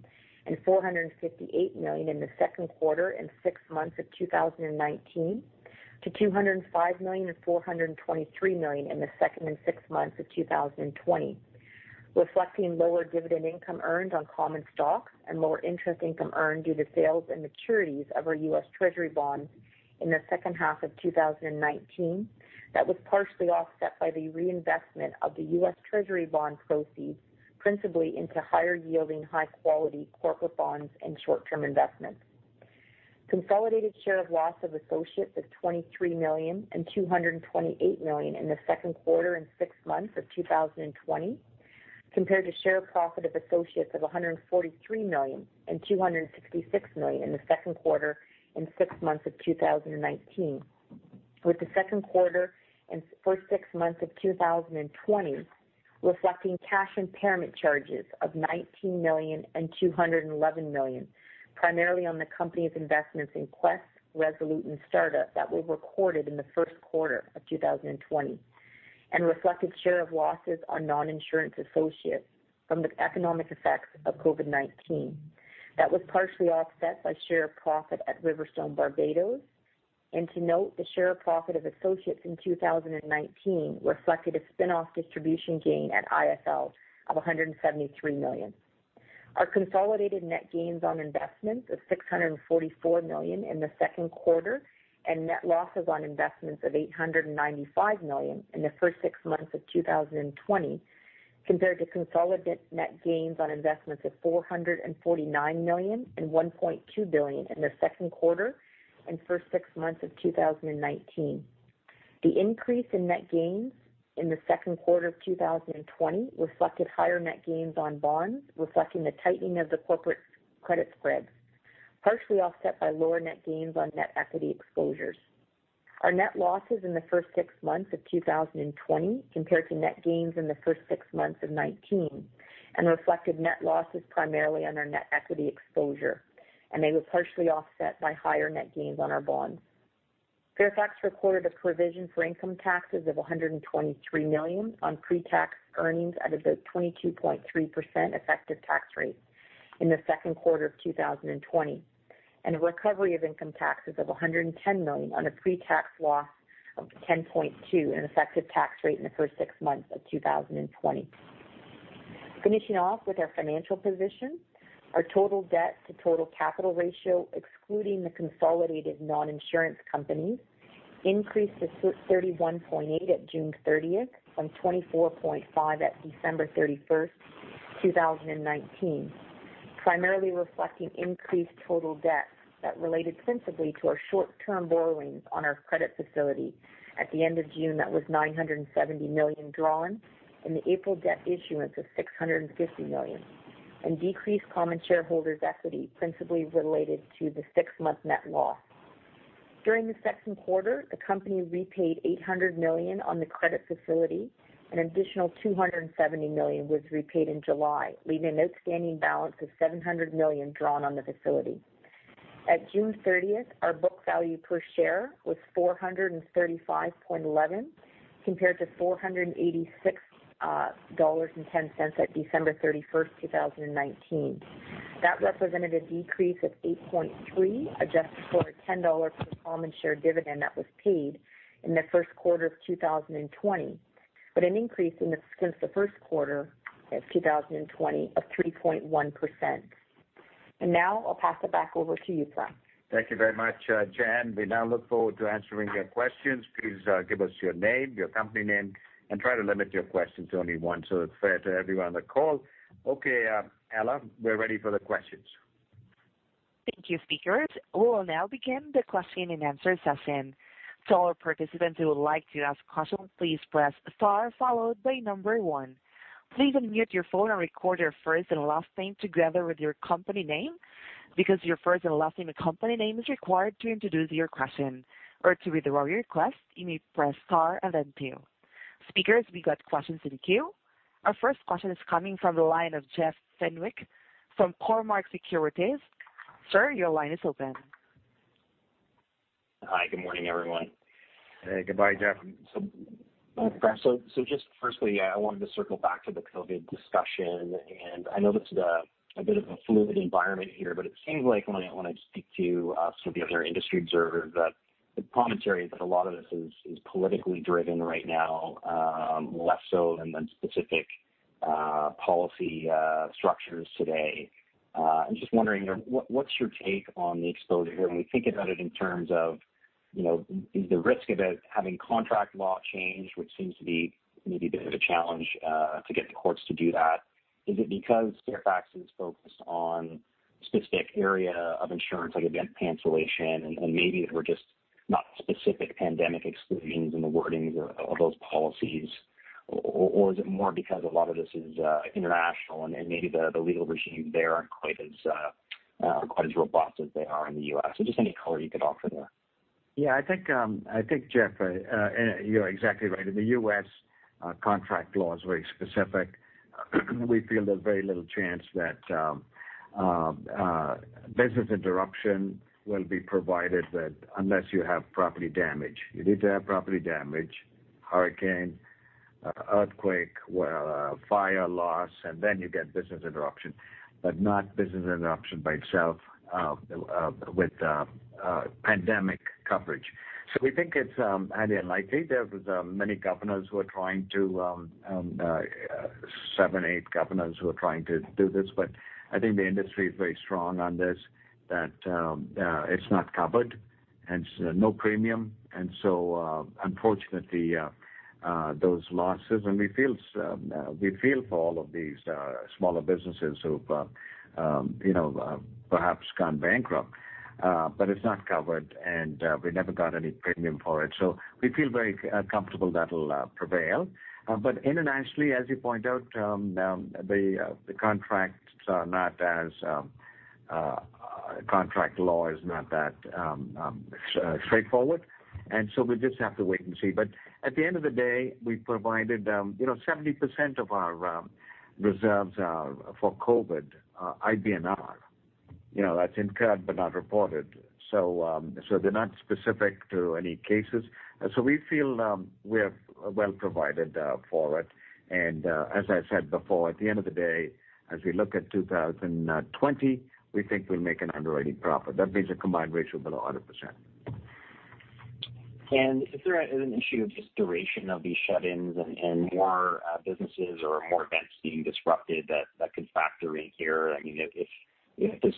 and $458 million in the second quarter and six months of 2019 to $205 million and $423 million in the second and six months of 2020, reflecting lower dividend income earned on common stock and lower interest income earned due to sales and maturities of our U.S. Treasury bonds in the second half of 2019. That was partially offset by the reinvestment of the U.S. Treasury bond proceeds, principally into higher yielding, high quality corporate bonds and short-term investments. Consolidated share of loss of associates of $23 million and $228 million in the second quarter and six months of 2020, compared to share of profit of associates of $143 million and $266 million in the second quarter and six months of 2019, with the second quarter and first six months of 2020 reflecting cash impairment charges of $19 million and $211 million, primarily on the company's investments in Quess, Resolute, and Astarta that were recorded in the first quarter of 2020 and reflected share of losses on non-insurance associates from the economic effects of COVID-19. That was partially offset by share of profit at RiverStone Barbados. To note, the share of profit of associates in 2019 reflected a spinoff distribution gain at IIFL of $173 million. Our consolidated net gains on investments of $644 million in the second quarter and net losses on investments of $895 million in the first six months of 2020, compared to consolidated net gains on investments of $449 million and $1.2 billion in the second quarter and first six months of 2019. The increase in net gains in the second quarter of 2020 reflected higher net gains on bonds, reflecting the tightening of the corporate credit spreads, partially offset by lower net gains on net equity exposures. Our net losses in the first six months of 2020 compared to net gains in the first six months of 2019 and reflected net losses primarily on our net equity exposure, and they were partially offset by higher net gains on our bonds. Fairfax recorded a provision for income taxes of $123 million on pre-tax earnings at about 22.3% effective tax rate in the second quarter of 2020, and a recovery of income taxes of $110 million on a pre-tax loss of 10.2% in effective tax rate in the first six months of 2020. Finishing off with our financial position, our total debt to total capital ratio, excluding the consolidated Non-Insurance Companies, increased to 31.8% at June 30th from 24.5% at December 31st, 2019, primarily reflecting increased total debt that related principally to our short-term borrowings on our credit facility. At the end of June, that was $970 million drawn and the April debt issuance of $650 million, and decreased common shareholders' equity principally related to the six-month net loss. During the second quarter, the company repaid $800 million on the credit facility. An additional $270 million was repaid in July, leaving an outstanding balance of $700 million drawn on the facility. At June 30th, our book value per share was $435.11, compared to $486.10 at December 31st, 2019. That represented a decrease of 8.3%, adjusted for a $10 per common share dividend that was paid in the first quarter of 2020, but an increase since the first quarter of 2020 of 3.1%. Now I'll pass it back over to you, Prem. Thank you very much, Jen. We now look forward to answering your questions. Please give us your name, your company name, and try to limit your questions to only one so it is fair to everyone on the call. Okay, Ella, we are ready for the questions. Thank you, speakers. We will now begin the question and answer session. To all our participants who would like to ask questions, please press star followed by number one. Please unmute your phone and record your first and last name together with your company name, because your first and last name and company name is required to introduce your question. Or to withdraw your request, you may press star and then two. Speakers, we got questions in the queue. Our first question is coming from the line of Jeff Fenwick from Cormark Securities. Sir, your line is open. Hi, good morning, everyone. Good morning, Jeff. Prem, just firstly, I wanted to circle back to the COVID discussion. I know this is a bit of a fluid environment here, but it seems like when I speak to some of the other industry observers that the commentary is that a lot of this is politically driven right now, less so than specific policy structures today. I'm just wondering, what's your take on the exposure here when we think about it in terms of the risk of it having contract law change, which seems to be maybe a bit of a challenge to get the courts to do that. Is it because Fairfax is focused on specific area of insurance, like event cancellation, and maybe there were just not specific pandemic exclusions in the wordings of those policies? Or is it more because a lot of this is international and maybe the legal regime there aren't quite as robust as they are in the U.S.? Just any color you could offer there. Yeah, I think, Jeff, you are exactly right. In the U.S., contract law is very specific. We feel there is very little chance that business interruption will be provided, unless you have property damage. You need to have property damage, hurricane, earthquake, fire loss, and then you get business interruption, but not business interruption by itself with pandemic coverage. We think it is highly unlikely. There was many governors- Seven, eight governors who are trying to do this. I think the industry is very strong on this, that it is not covered and no premium. Unfortunately, those losses, and we feel for all of these smaller businesses who have perhaps gone bankrupt, but it is not covered, and we never got any premium for it. We feel very comfortable that will prevail. Internationally, as you point out, the contract law is not that straightforward, and so we just have to wait and see. At the end of the day, we provided 70% of our reserves for COVID IBNR. That's incurred but not reported. They're not specific to any cases. We feel we are well provided for it. As I said before, at the end of the day, as we look at 2020, we think we'll make an underwriting profit. That means a combined ratio below 100%. Is there an issue of just duration of these shut-ins and more businesses or more events being disrupted that could factor in here? If this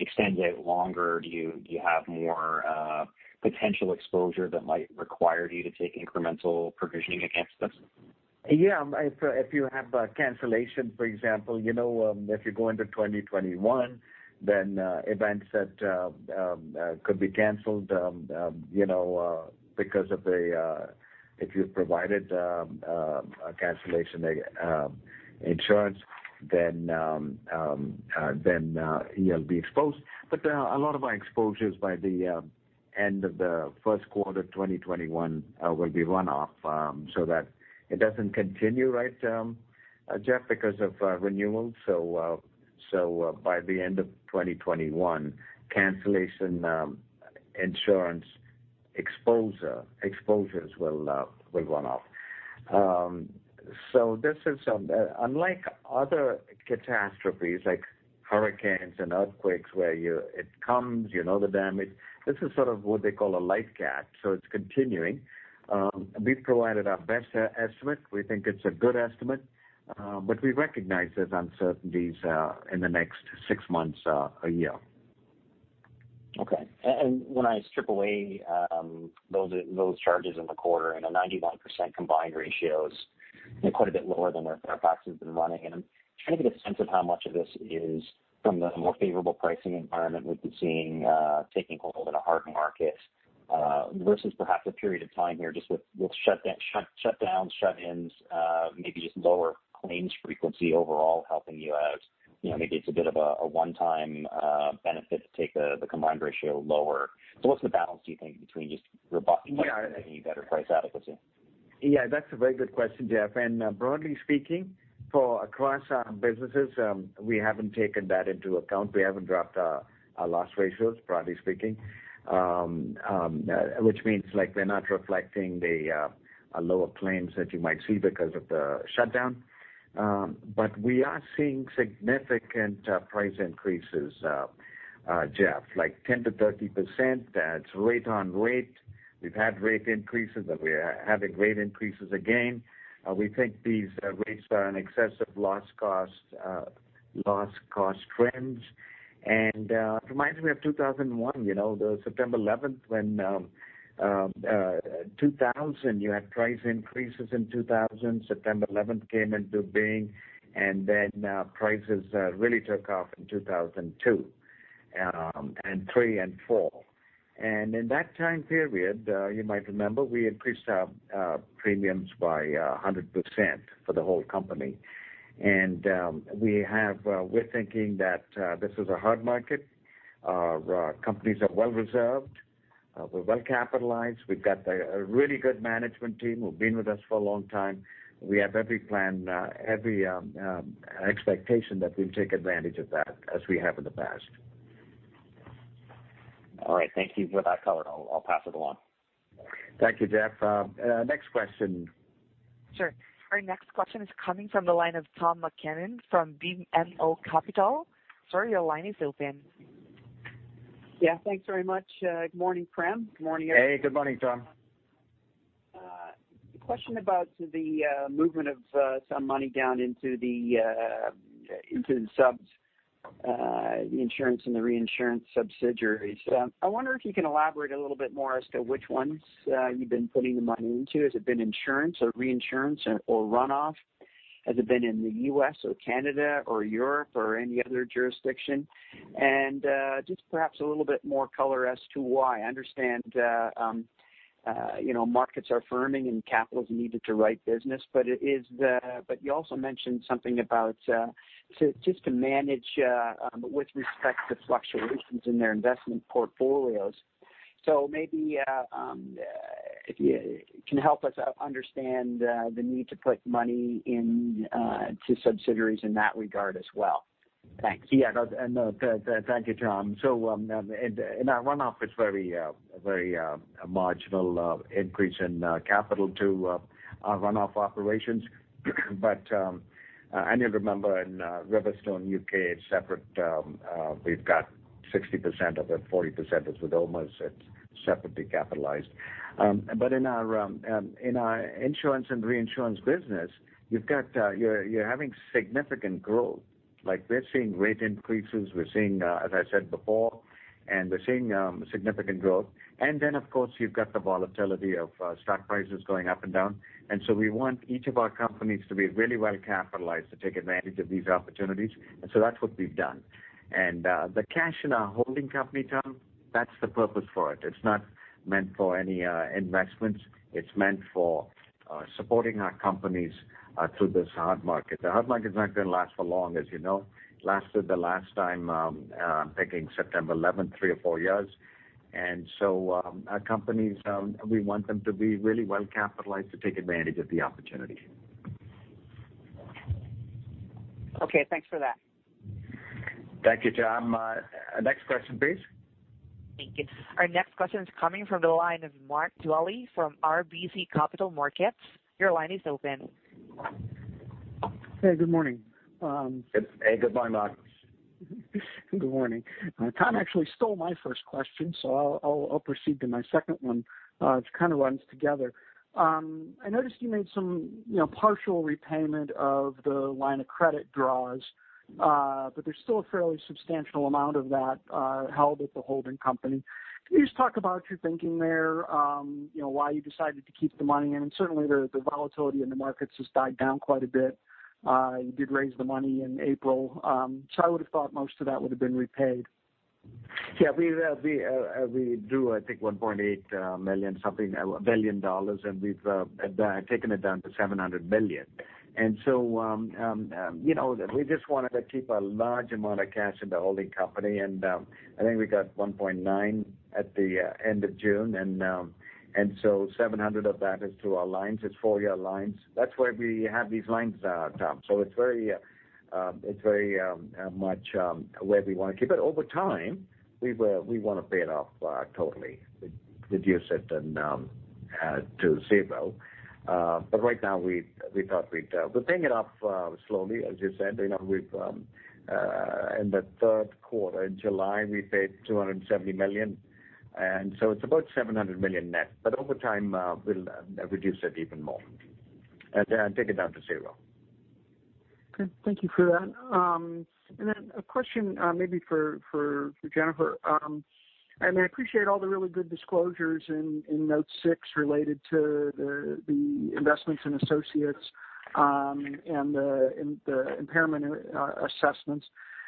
extends out longer, do you have more potential exposure that might require you to take incremental provisioning against this? Yeah. If you have a cancellation, for example, if you go into 2021, events that could be canceled because if you've provided cancellation insurance, you'll be exposed. A lot of our exposure is by the end of the first quarter 2021 will be one-off, so that it doesn't continue, right, Jeff, because of renewals. By the end of 2021, cancellation insurance exposures will run off. Unlike other catastrophes like hurricanes and earthquakes, where it comes, you know the damage, this is sort of what they call a live cat, it's continuing. We've provided our best estimate. We think it's a good estimate, we recognize there's uncertainties in the next six months, a year. Okay. When I strip away those charges in the quarter and a 91% combined ratios, they're quite a bit lower than Fairfax has been running. I'm trying to get a sense of how much of this is from the more favorable pricing environment we've been seeing taking hold in a hard market, versus perhaps a period of time here just with shutdowns, shut-ins, maybe just lower claims frequency overall helping you out. Maybe it's a bit of a one-time benefit to take the combined ratio lower. What's the balance, do you think, between just robust pricing and better price adequacy? Yeah, that's a very good question, Jeff. Broadly speaking, for across our businesses, we haven't taken that into account. We haven't dropped our loss ratios, broadly speaking, which means we're not reflecting the lower claims that you might see because of the shutdown. We are seeing significant price increases, Jeff, like 10%-30%. That's rate on rate. We've had rate increases, and we're having rate increases again. We think these rates are in excess of loss cost trends. It reminds me of 2001, the 9/11, when 2000, you had price increases in 2000. 9/11 came into being, prices really took off in 2002, 2003, and 2004. In that time period, you might remember, we increased our premiums by 100% for the whole company. We're thinking that this is a hard market. Our companies are well-reserved. We're well-capitalized. We've got a really good management team who've been with us for a long time. We have every plan, every expectation that we'll take advantage of that as we have in the past. All right. Thank you for that color. I will pass it along. Thank you, Jeff. Next question. Sure. Our next question is coming from the line of Tom MacKinnon from BMO Capital. Sir, your line is open. Yeah, thanks very much. Good morning, Prem. Good morning, everyone. Hey, good morning, Tom. A question about the movement of some money down into the insurance and the reinsurance subsidiaries. I wonder if you can elaborate a little bit more as to which ones you've been putting the money into. Has it been insurance or reinsurance or runoff? Has it been in the U.S. or Canada or Europe or any other jurisdiction? Just perhaps a little bit more color as to why? I understand markets are firming and capital is needed to write business, but you also mentioned something about just to manage with respect to fluctuations in their investment portfolios. Maybe if you can help us understand the need to put money into subsidiaries in that regard as well? Thanks. Thank you, Tom. In our runoff, it's very marginal increase in capital to our runoff operations. You'll remember in RiverStone U.K., it's separate. We've got 60% of it, 40% is with OMERS. It's separately capitalized. In our Insurance and Reinsurance business, you're having significant growth. We're seeing rate increases. We're seeing, as I said before, and we're seeing significant growth. Of course, you've got the volatility of stock prices going up and down. We want each of our companies to be really well capitalized to take advantage of these opportunities. That's what we've done. The cash in our holding company, Tom, that's the purpose for it. It's not meant for any investments. It's meant for supporting our companies through this hard market. The hard market is not going to last for long, as you know. It lasted the last time, I'm thinking 9/11, three or four years. Our companies, we want them to be really well capitalized to take advantage of the opportunity. Okay, thanks for that. Thank you, Tom. Next question, please. Thank you. Our next question is coming from the line of Mark Dwelle from RBC Capital Markets. Your line is open. Hey, good morning. Hey, good morning, Mark. Good morning. Tom actually stole my first question. I'll proceed to my second one, which kind of runs together. I noticed you made some partial repayment of the line of credit draws. There's still a fairly substantial amount of that held at the holding company. Can you just talk about your thinking there, why you decided to keep the money in? Certainly, the volatility in the markets has died down quite a bit. You did raise the money in April. I would have thought most of that would have been repaid. Yeah, we drew, I think $1.8 billion, and we've taken it down to $700 million. We just wanted to keep a large amount of cash in the holding company. I think we got $1.9 billion at the end of June, and so $700 million of that is through our lines. It's four-year lines. That's why we have these lines, Tom. It's very much where we want to keep it. Over time, we want to pay it off totally, reduce it to zero. Right now we thought we're paying it off slowly, as you said. In the third quarter, in July, we paid $270 million, and so it's about $700 million net. Over time, we'll reduce it even more and take it down to zero. Good. Thank you for that. A question maybe for Jennifer. I appreciate all the really good disclosures in Note 6 related to the investments in associates and the impairment assessments.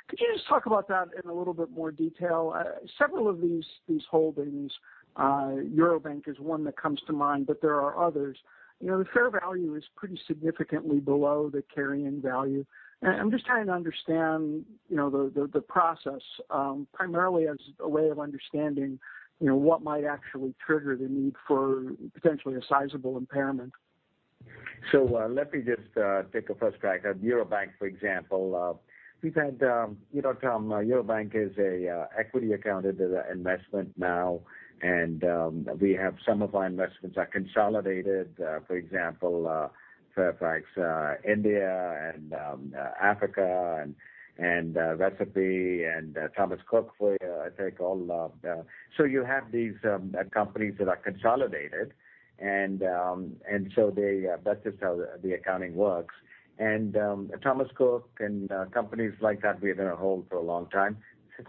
Could you just talk about that in a little bit more detail? Several of these holdings, Eurobank is one that comes to mind, but there are others. The fair value is pretty significantly below the carrying value. I'm just trying to understand the process, primarily as a way of understanding what might actually trigger the need for potentially a sizable impairment. Let me just take a first crack at Eurobank, for example. Tom, Eurobank is a equity accounted investment now. We have some of our investments are consolidated. For example, Fairfax, India and Africa and Recipe and Thomas Cook India, I think all. You have these companies that are consolidated. That's just how the accounting works. Thomas Cook and companies like that we're going to hold for a long time.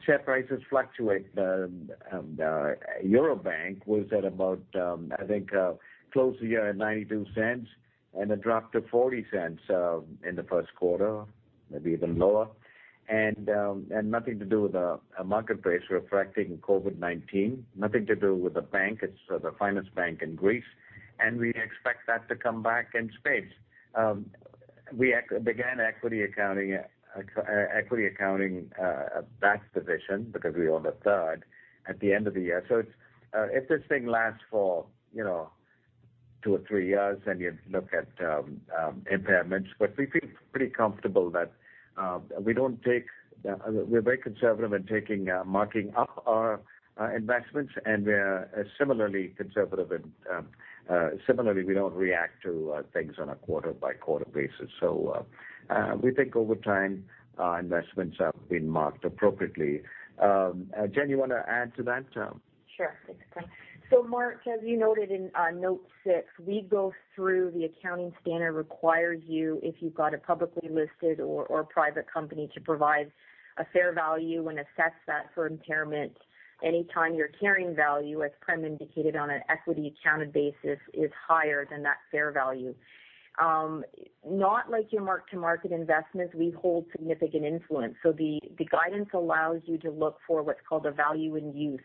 Share prices fluctuate. Eurobank was at about, I think, closed the year at $0.92. It dropped to $0.40 in the first quarter, maybe even lower. Nothing to do with the marketplace reflecting COVID-19, nothing to do with the bank. It's the finest bank in Greece. We expect that to come back in spades. We began equity accounting that position because we own a third at the end of the year. If this thing lasts for two or three years, then you look at impairments. We feel pretty comfortable that we're very conservative in marking up our investments, and we're similarly conservative, we don't react to things on a quarter-by-quarter basis. We think over time, investments have been marked appropriately. Jen, you want to add to that? Sure. Thanks, Prem. Mark, as you noted in note six, we go through the accounting standard requires you, if you've got a publicly listed or private company to provide a fair value and assess that for impairment any time your carrying value, as Prem indicated, on an equity accounted basis, is higher than that fair value. Not like your mark-to-market investments, we hold significant influence. The guidance allows you to look for what's called a value in use.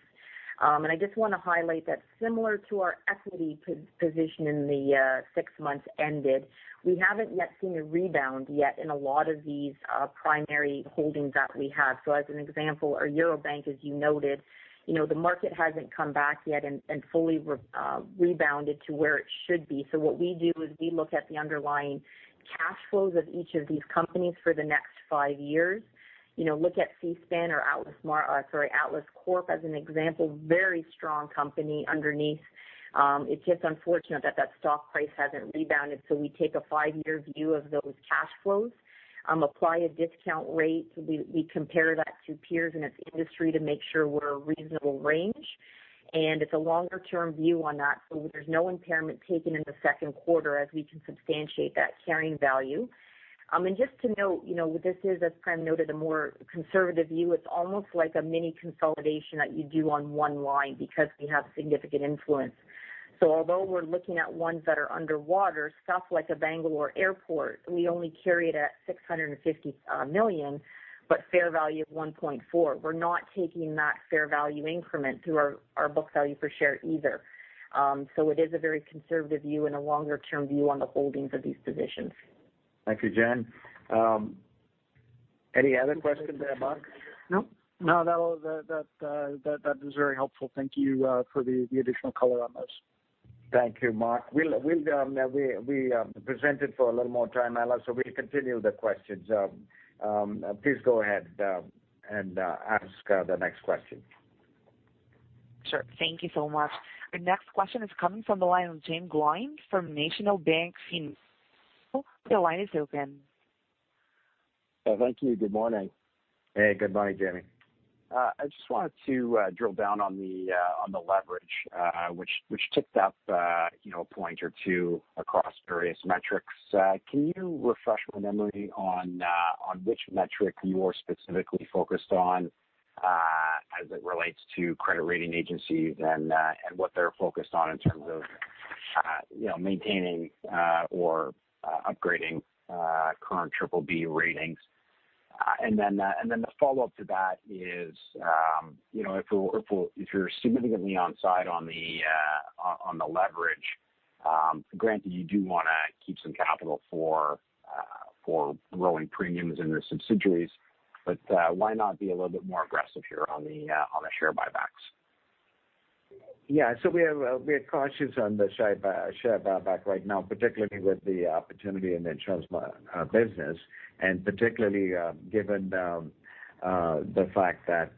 I just want to highlight that similar to our equity position in the six months ended, we haven't yet seen a rebound yet in a lot of these primary holdings that we have. As an example, our Eurobank, as you noted, the market hasn't come back yet and fully rebounded to where it should be. What we do is we look at the underlying cash flows of each of these companies for the next five years. Look at Seaspan or Atlas Corp, as an example, very strong company underneath. It's just unfortunate that that stock price hasn't rebounded. We take a five-year view of those cash flows, apply a discount rate. We compare that to peers in its industry to make sure we're a reasonable range, and it's a longer-term view on that. There's no impairment taken in the second quarter as we can substantiate that carrying value. Just to note, this is, as Prem noted, a more conservative view. It's almost like a mini consolidation that you do on one line because we have significant influence. Although we're looking at ones that are underwater, stuff like a Bangalore Airport, we only carry it at $650 million, but fair value of $1.4 billion. We're not taking that fair value increment through our book value per share either. It is a very conservative view and a longer-term view on the holdings of these positions. Thank you, Jen. Any other questions there, Mark? No, that was very helpful. Thank you for the additional color on those. Thank you, Mark. We presented for a little more time, Ella, we'll continue the questions. Please go ahead and ask the next question. Sure. Thank you so much. The next question is coming from the line of Jaeme Gloyn from National Bank Financial. Your line is open. Thank you. Good morning. Hey, good morning, Jaeme. I just wanted to drill down on the leverage, which ticked up a point or two across various metrics. Can you refresh my memory on which metric you are specifically focused on as it relates to credit rating agencies and what they're focused on in terms of maintaining or upgrading current BBB ratings? Then the follow-up to that is if you're significantly on side on the leverage, granted you do want to keep some capital for growing premiums in the subsidiaries, but why not be a little bit more aggressive here on the share buybacks? Yeah. We are cautious on the share buyback right now, particularly with the opportunity in the insurance business, and particularly given the fact that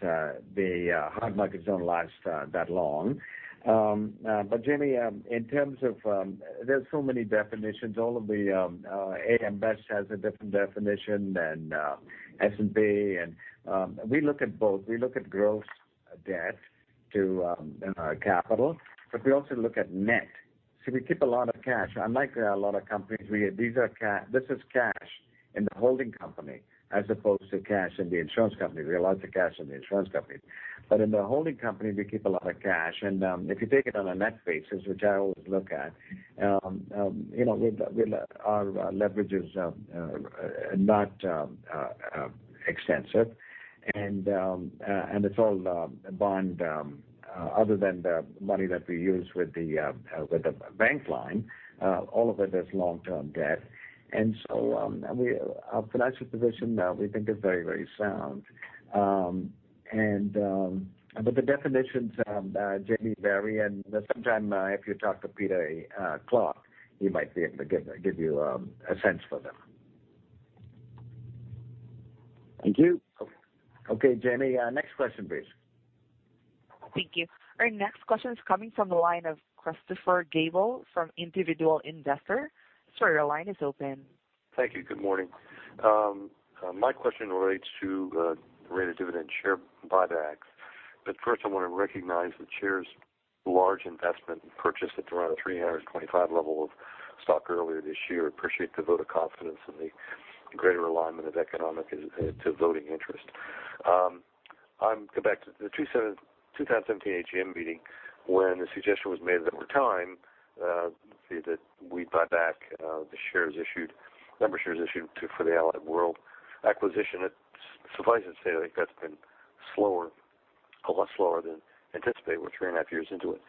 the hard markets don't last that long. Jaeme, there's so many definitions. AM Best has a different definition than S&P. We look at both. We look at gross debt to capital, but we also look at net. We keep a lot of cash. Unlike a lot of companies, this is cash in the holding company as opposed to cash in the insurance company. We allow the cash in the insurance company. In the holding company, we keep a lot of cash. If you take it on a net basis, which I always look at, our leverage is not extensive. It's all bond other than the money that we use with the bank line, all of it is long-term debt. Our financial position we think is very, very sound. The definitions, Jaeme, vary. Sometimes, if you talk to Peter Clarke, he might be able to give you a sense for them. Thank you. Okay, Jaeme, next question, please. Thank you. Our next question is coming from the line of Christopher Gable from Individual Investor. Sir, your line is open. Thank you. Good morning. My question relates to rated dividend share buybacks. First, I want to recognize the share's large investment purchase at around the $325 level of stock earlier this year. Appreciate the vote of confidence and the greater alignment of economic to voting interest. I'll go back to the 2017 AGM meeting when the suggestion was made that over time, that we'd buy back the number of shares issued for the Allied World acquisition. It suffices to say that that's been a lot slower than anticipated. We're three and a half years into it.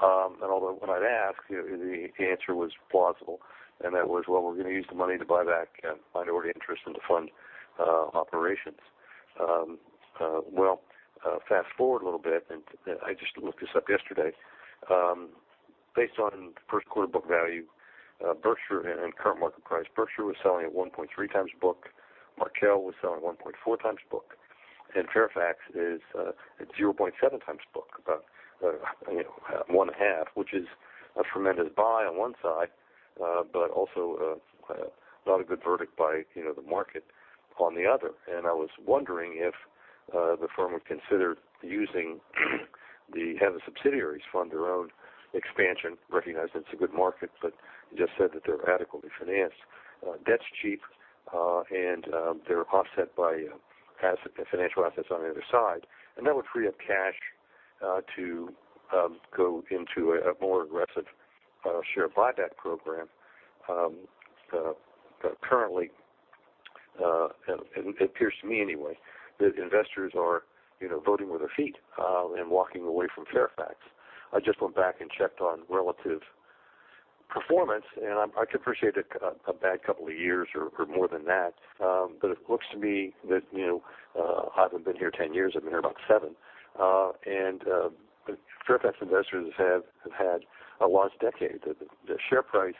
Although when I'd ask, the answer was plausible, and that was, "Well, we're going to use the money to buy back minority interest in the fund operations." Well, fast-forward a little bit, and I just looked this up yesterday. Based on first quarter book value, and current market price, Berkshire was selling at 1.3x book, Markel was selling at 1.4x book, and Fairfax is at 0.7x book, about one half, which is a tremendous buy on one side, but also not a good verdict by the market on the other. I was wondering if the firm would consider using the subsidiaries fund their own expansion, recognizing it's a good market, but you just said that they're adequately financed. Debt's cheap, and they're offset by financial assets on the other side. That would free up cash to go into a more aggressive share buyback program. Currently, it appears to me anyway, that investors are voting with their feet and walking away from Fairfax. I can appreciate a bad couple of years or more than that, it looks to me that, I haven't been here 10 years, I've been here about seven, and Fairfax investors have had a lost decade. The share price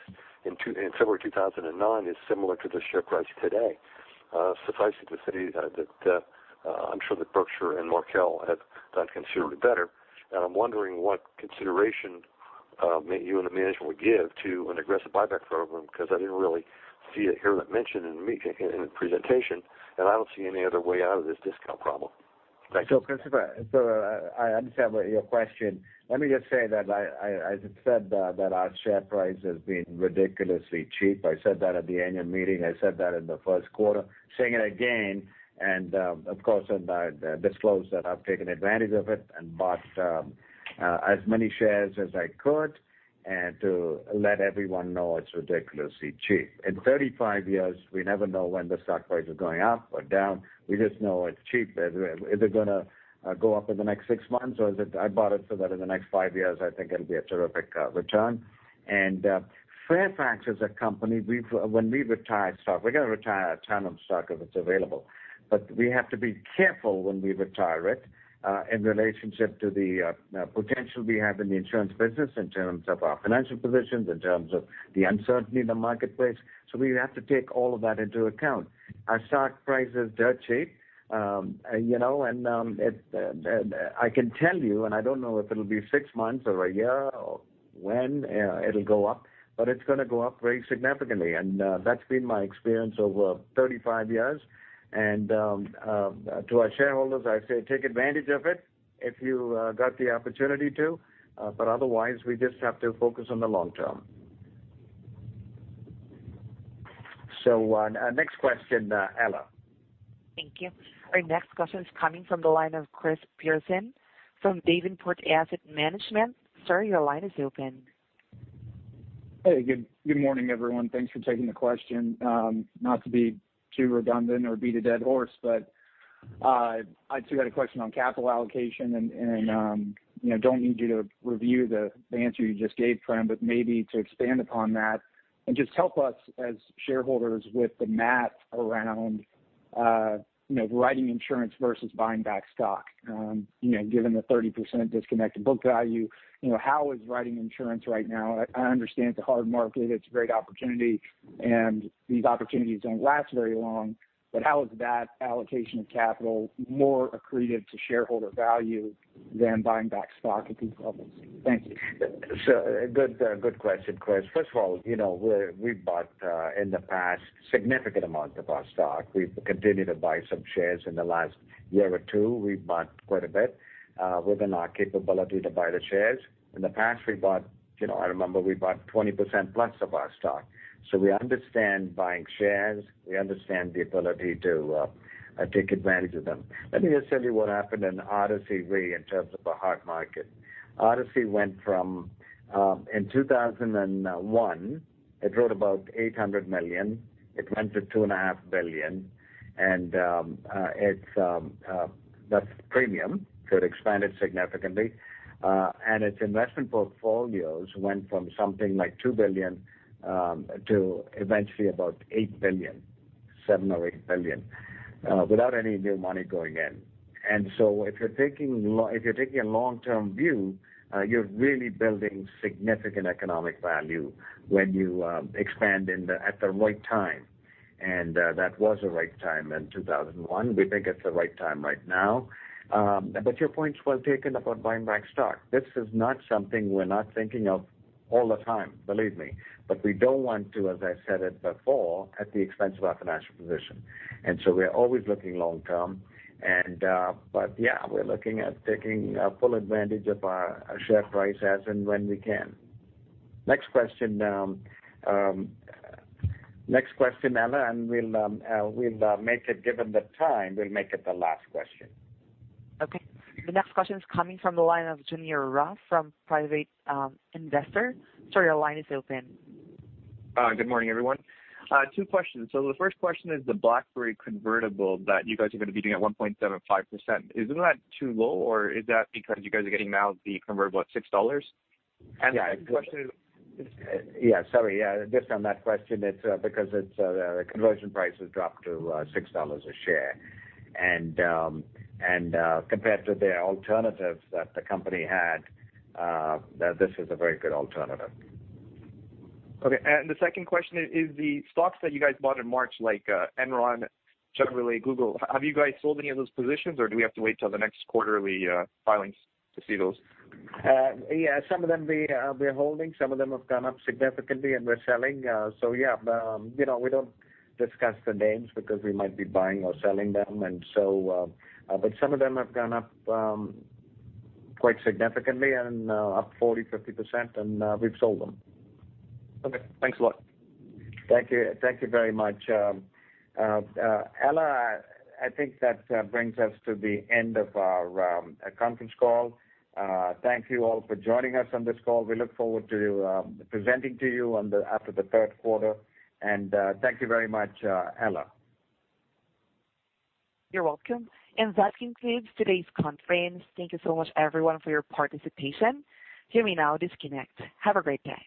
in February 2009 is similar to the share price today. Suffice it to say that I'm sure that Berkshire and Markel have done considerably better. I'm wondering what consideration you and the management would give to an aggressive buyback program, because I didn't really see or hear that mentioned in the presentation, I don't see any other way out of this discount problem. Thank you. Christopher, I understand your question. Let me just say that I said that our share price has been ridiculously cheap. I said that at the annual meeting, I said that in the first quarter. Saying it again, I disclose that I've taken advantage of it and bought as many shares as I could, and to let everyone know it's ridiculously cheap. In 35 years, we never know when the stock prices are going up or down. We just know it's cheap. Is it going to go up in the next six months? I bought it so that in the next five years, I think it'll be a terrific return. Fairfax is a company, when we retire stock, we're going to retire a ton of stock if it's available. We have to be careful when we retire it in relationship to the potential we have in the insurance business in terms of our financial positions, in terms of the uncertainty in the marketplace. We have to take all of that into account. Our stock price is dirt cheap. I can tell you, and I don't know if it'll be six months or a year or when it'll go up, but it's going to go up very significantly. That's been my experience over 35 years. To our shareholders, I say take advantage of it if you got the opportunity to. Otherwise, we just have to focus on the long term. Next question, Ella. Thank you. Our next question is coming from the line of Chris Pearson from Davenport Asset Management. Sir, your line is open. Hey, good morning, everyone. Thanks for taking the question. Not to be too redundant or beat a dead horse, but I too had a question on capital allocation, and I don't need you to review the answer you just gave, Prem, but maybe to expand upon that and just help us as shareholders with the math around writing insurance versus buying back stock. Given the 30% disconnect to book value, how is writing insurance right now, I understand it's a hard market, it's a great opportunity, and these opportunities don't last very long, but how is that allocation of capital more accretive to shareholder value than buying back stock at these levels? Thank you. Good question, Chris. First of all, we bought in the past significant amounts of our stock. We've continued to buy some shares in the last year or two. We've bought quite a bit within our capability to buy the shares. In the past, I remember we bought 20%+ of our stock. We understand buying shares, we understand the ability to take advantage of them. Let me just tell you what happened in Odyssey Re in terms of a hard market. Odyssey went from, in 2001, it wrote about $800 million. It went to $2.5 billion. That's premium, it expanded significantly. Its investment portfolios went from something like $2 billion to eventually about $8 billion, $7 billion or $8 billion, without any new money going in. If you're taking a long-term view, you're really building significant economic value when you expand at the right time. That was the right time in 2001. We think it's the right time right now. Your point's well taken about buying back stock. This is not something we're not thinking of all the time, believe me. We don't want to, as I said it before, at the expense of our financial position. We are always looking long-term, but yeah, we're looking at taking full advantage of our share price as and when we can. Next question, Ella, and given the time, we'll make it the last question. Okay. The next question is coming from the line of Junior Ross from Private Investor. Sir, your line is open. Good morning, everyone. Two questions. The first question is the BlackBerry convertible that you guys are going to be doing at 1.75%. Isn't that too low or is that because you guys are getting now the convertible at $6? The second question is- Yeah, sorry. Just on that question, it's because the conversion price has dropped to $6 a share. Compared to their alternatives that the company had, this is a very good alternative. Okay. The second question is the stocks that you guys bought in March, like <audio distortion> Google, have you guys sold any of those positions or do we have to wait till the next quarterly filings to see those? Yeah, some of them we're holding, some of them have gone up significantly and we're selling. Yeah, we don't discuss the names because we might be buying or selling them. Some of them have gone up quite significantly and up 40%-50%, and we've sold them. Okay, thanks a lot. Thank you. Thank you very much. Ella, I think that brings us to the end of our conference call. Thank you all for joining us on this call. We look forward to presenting to you after the third quarter. Thank you very much, Ella. You're welcome. That concludes today's conference. Thank you so much everyone for your participation. You may now disconnect. Have a great day.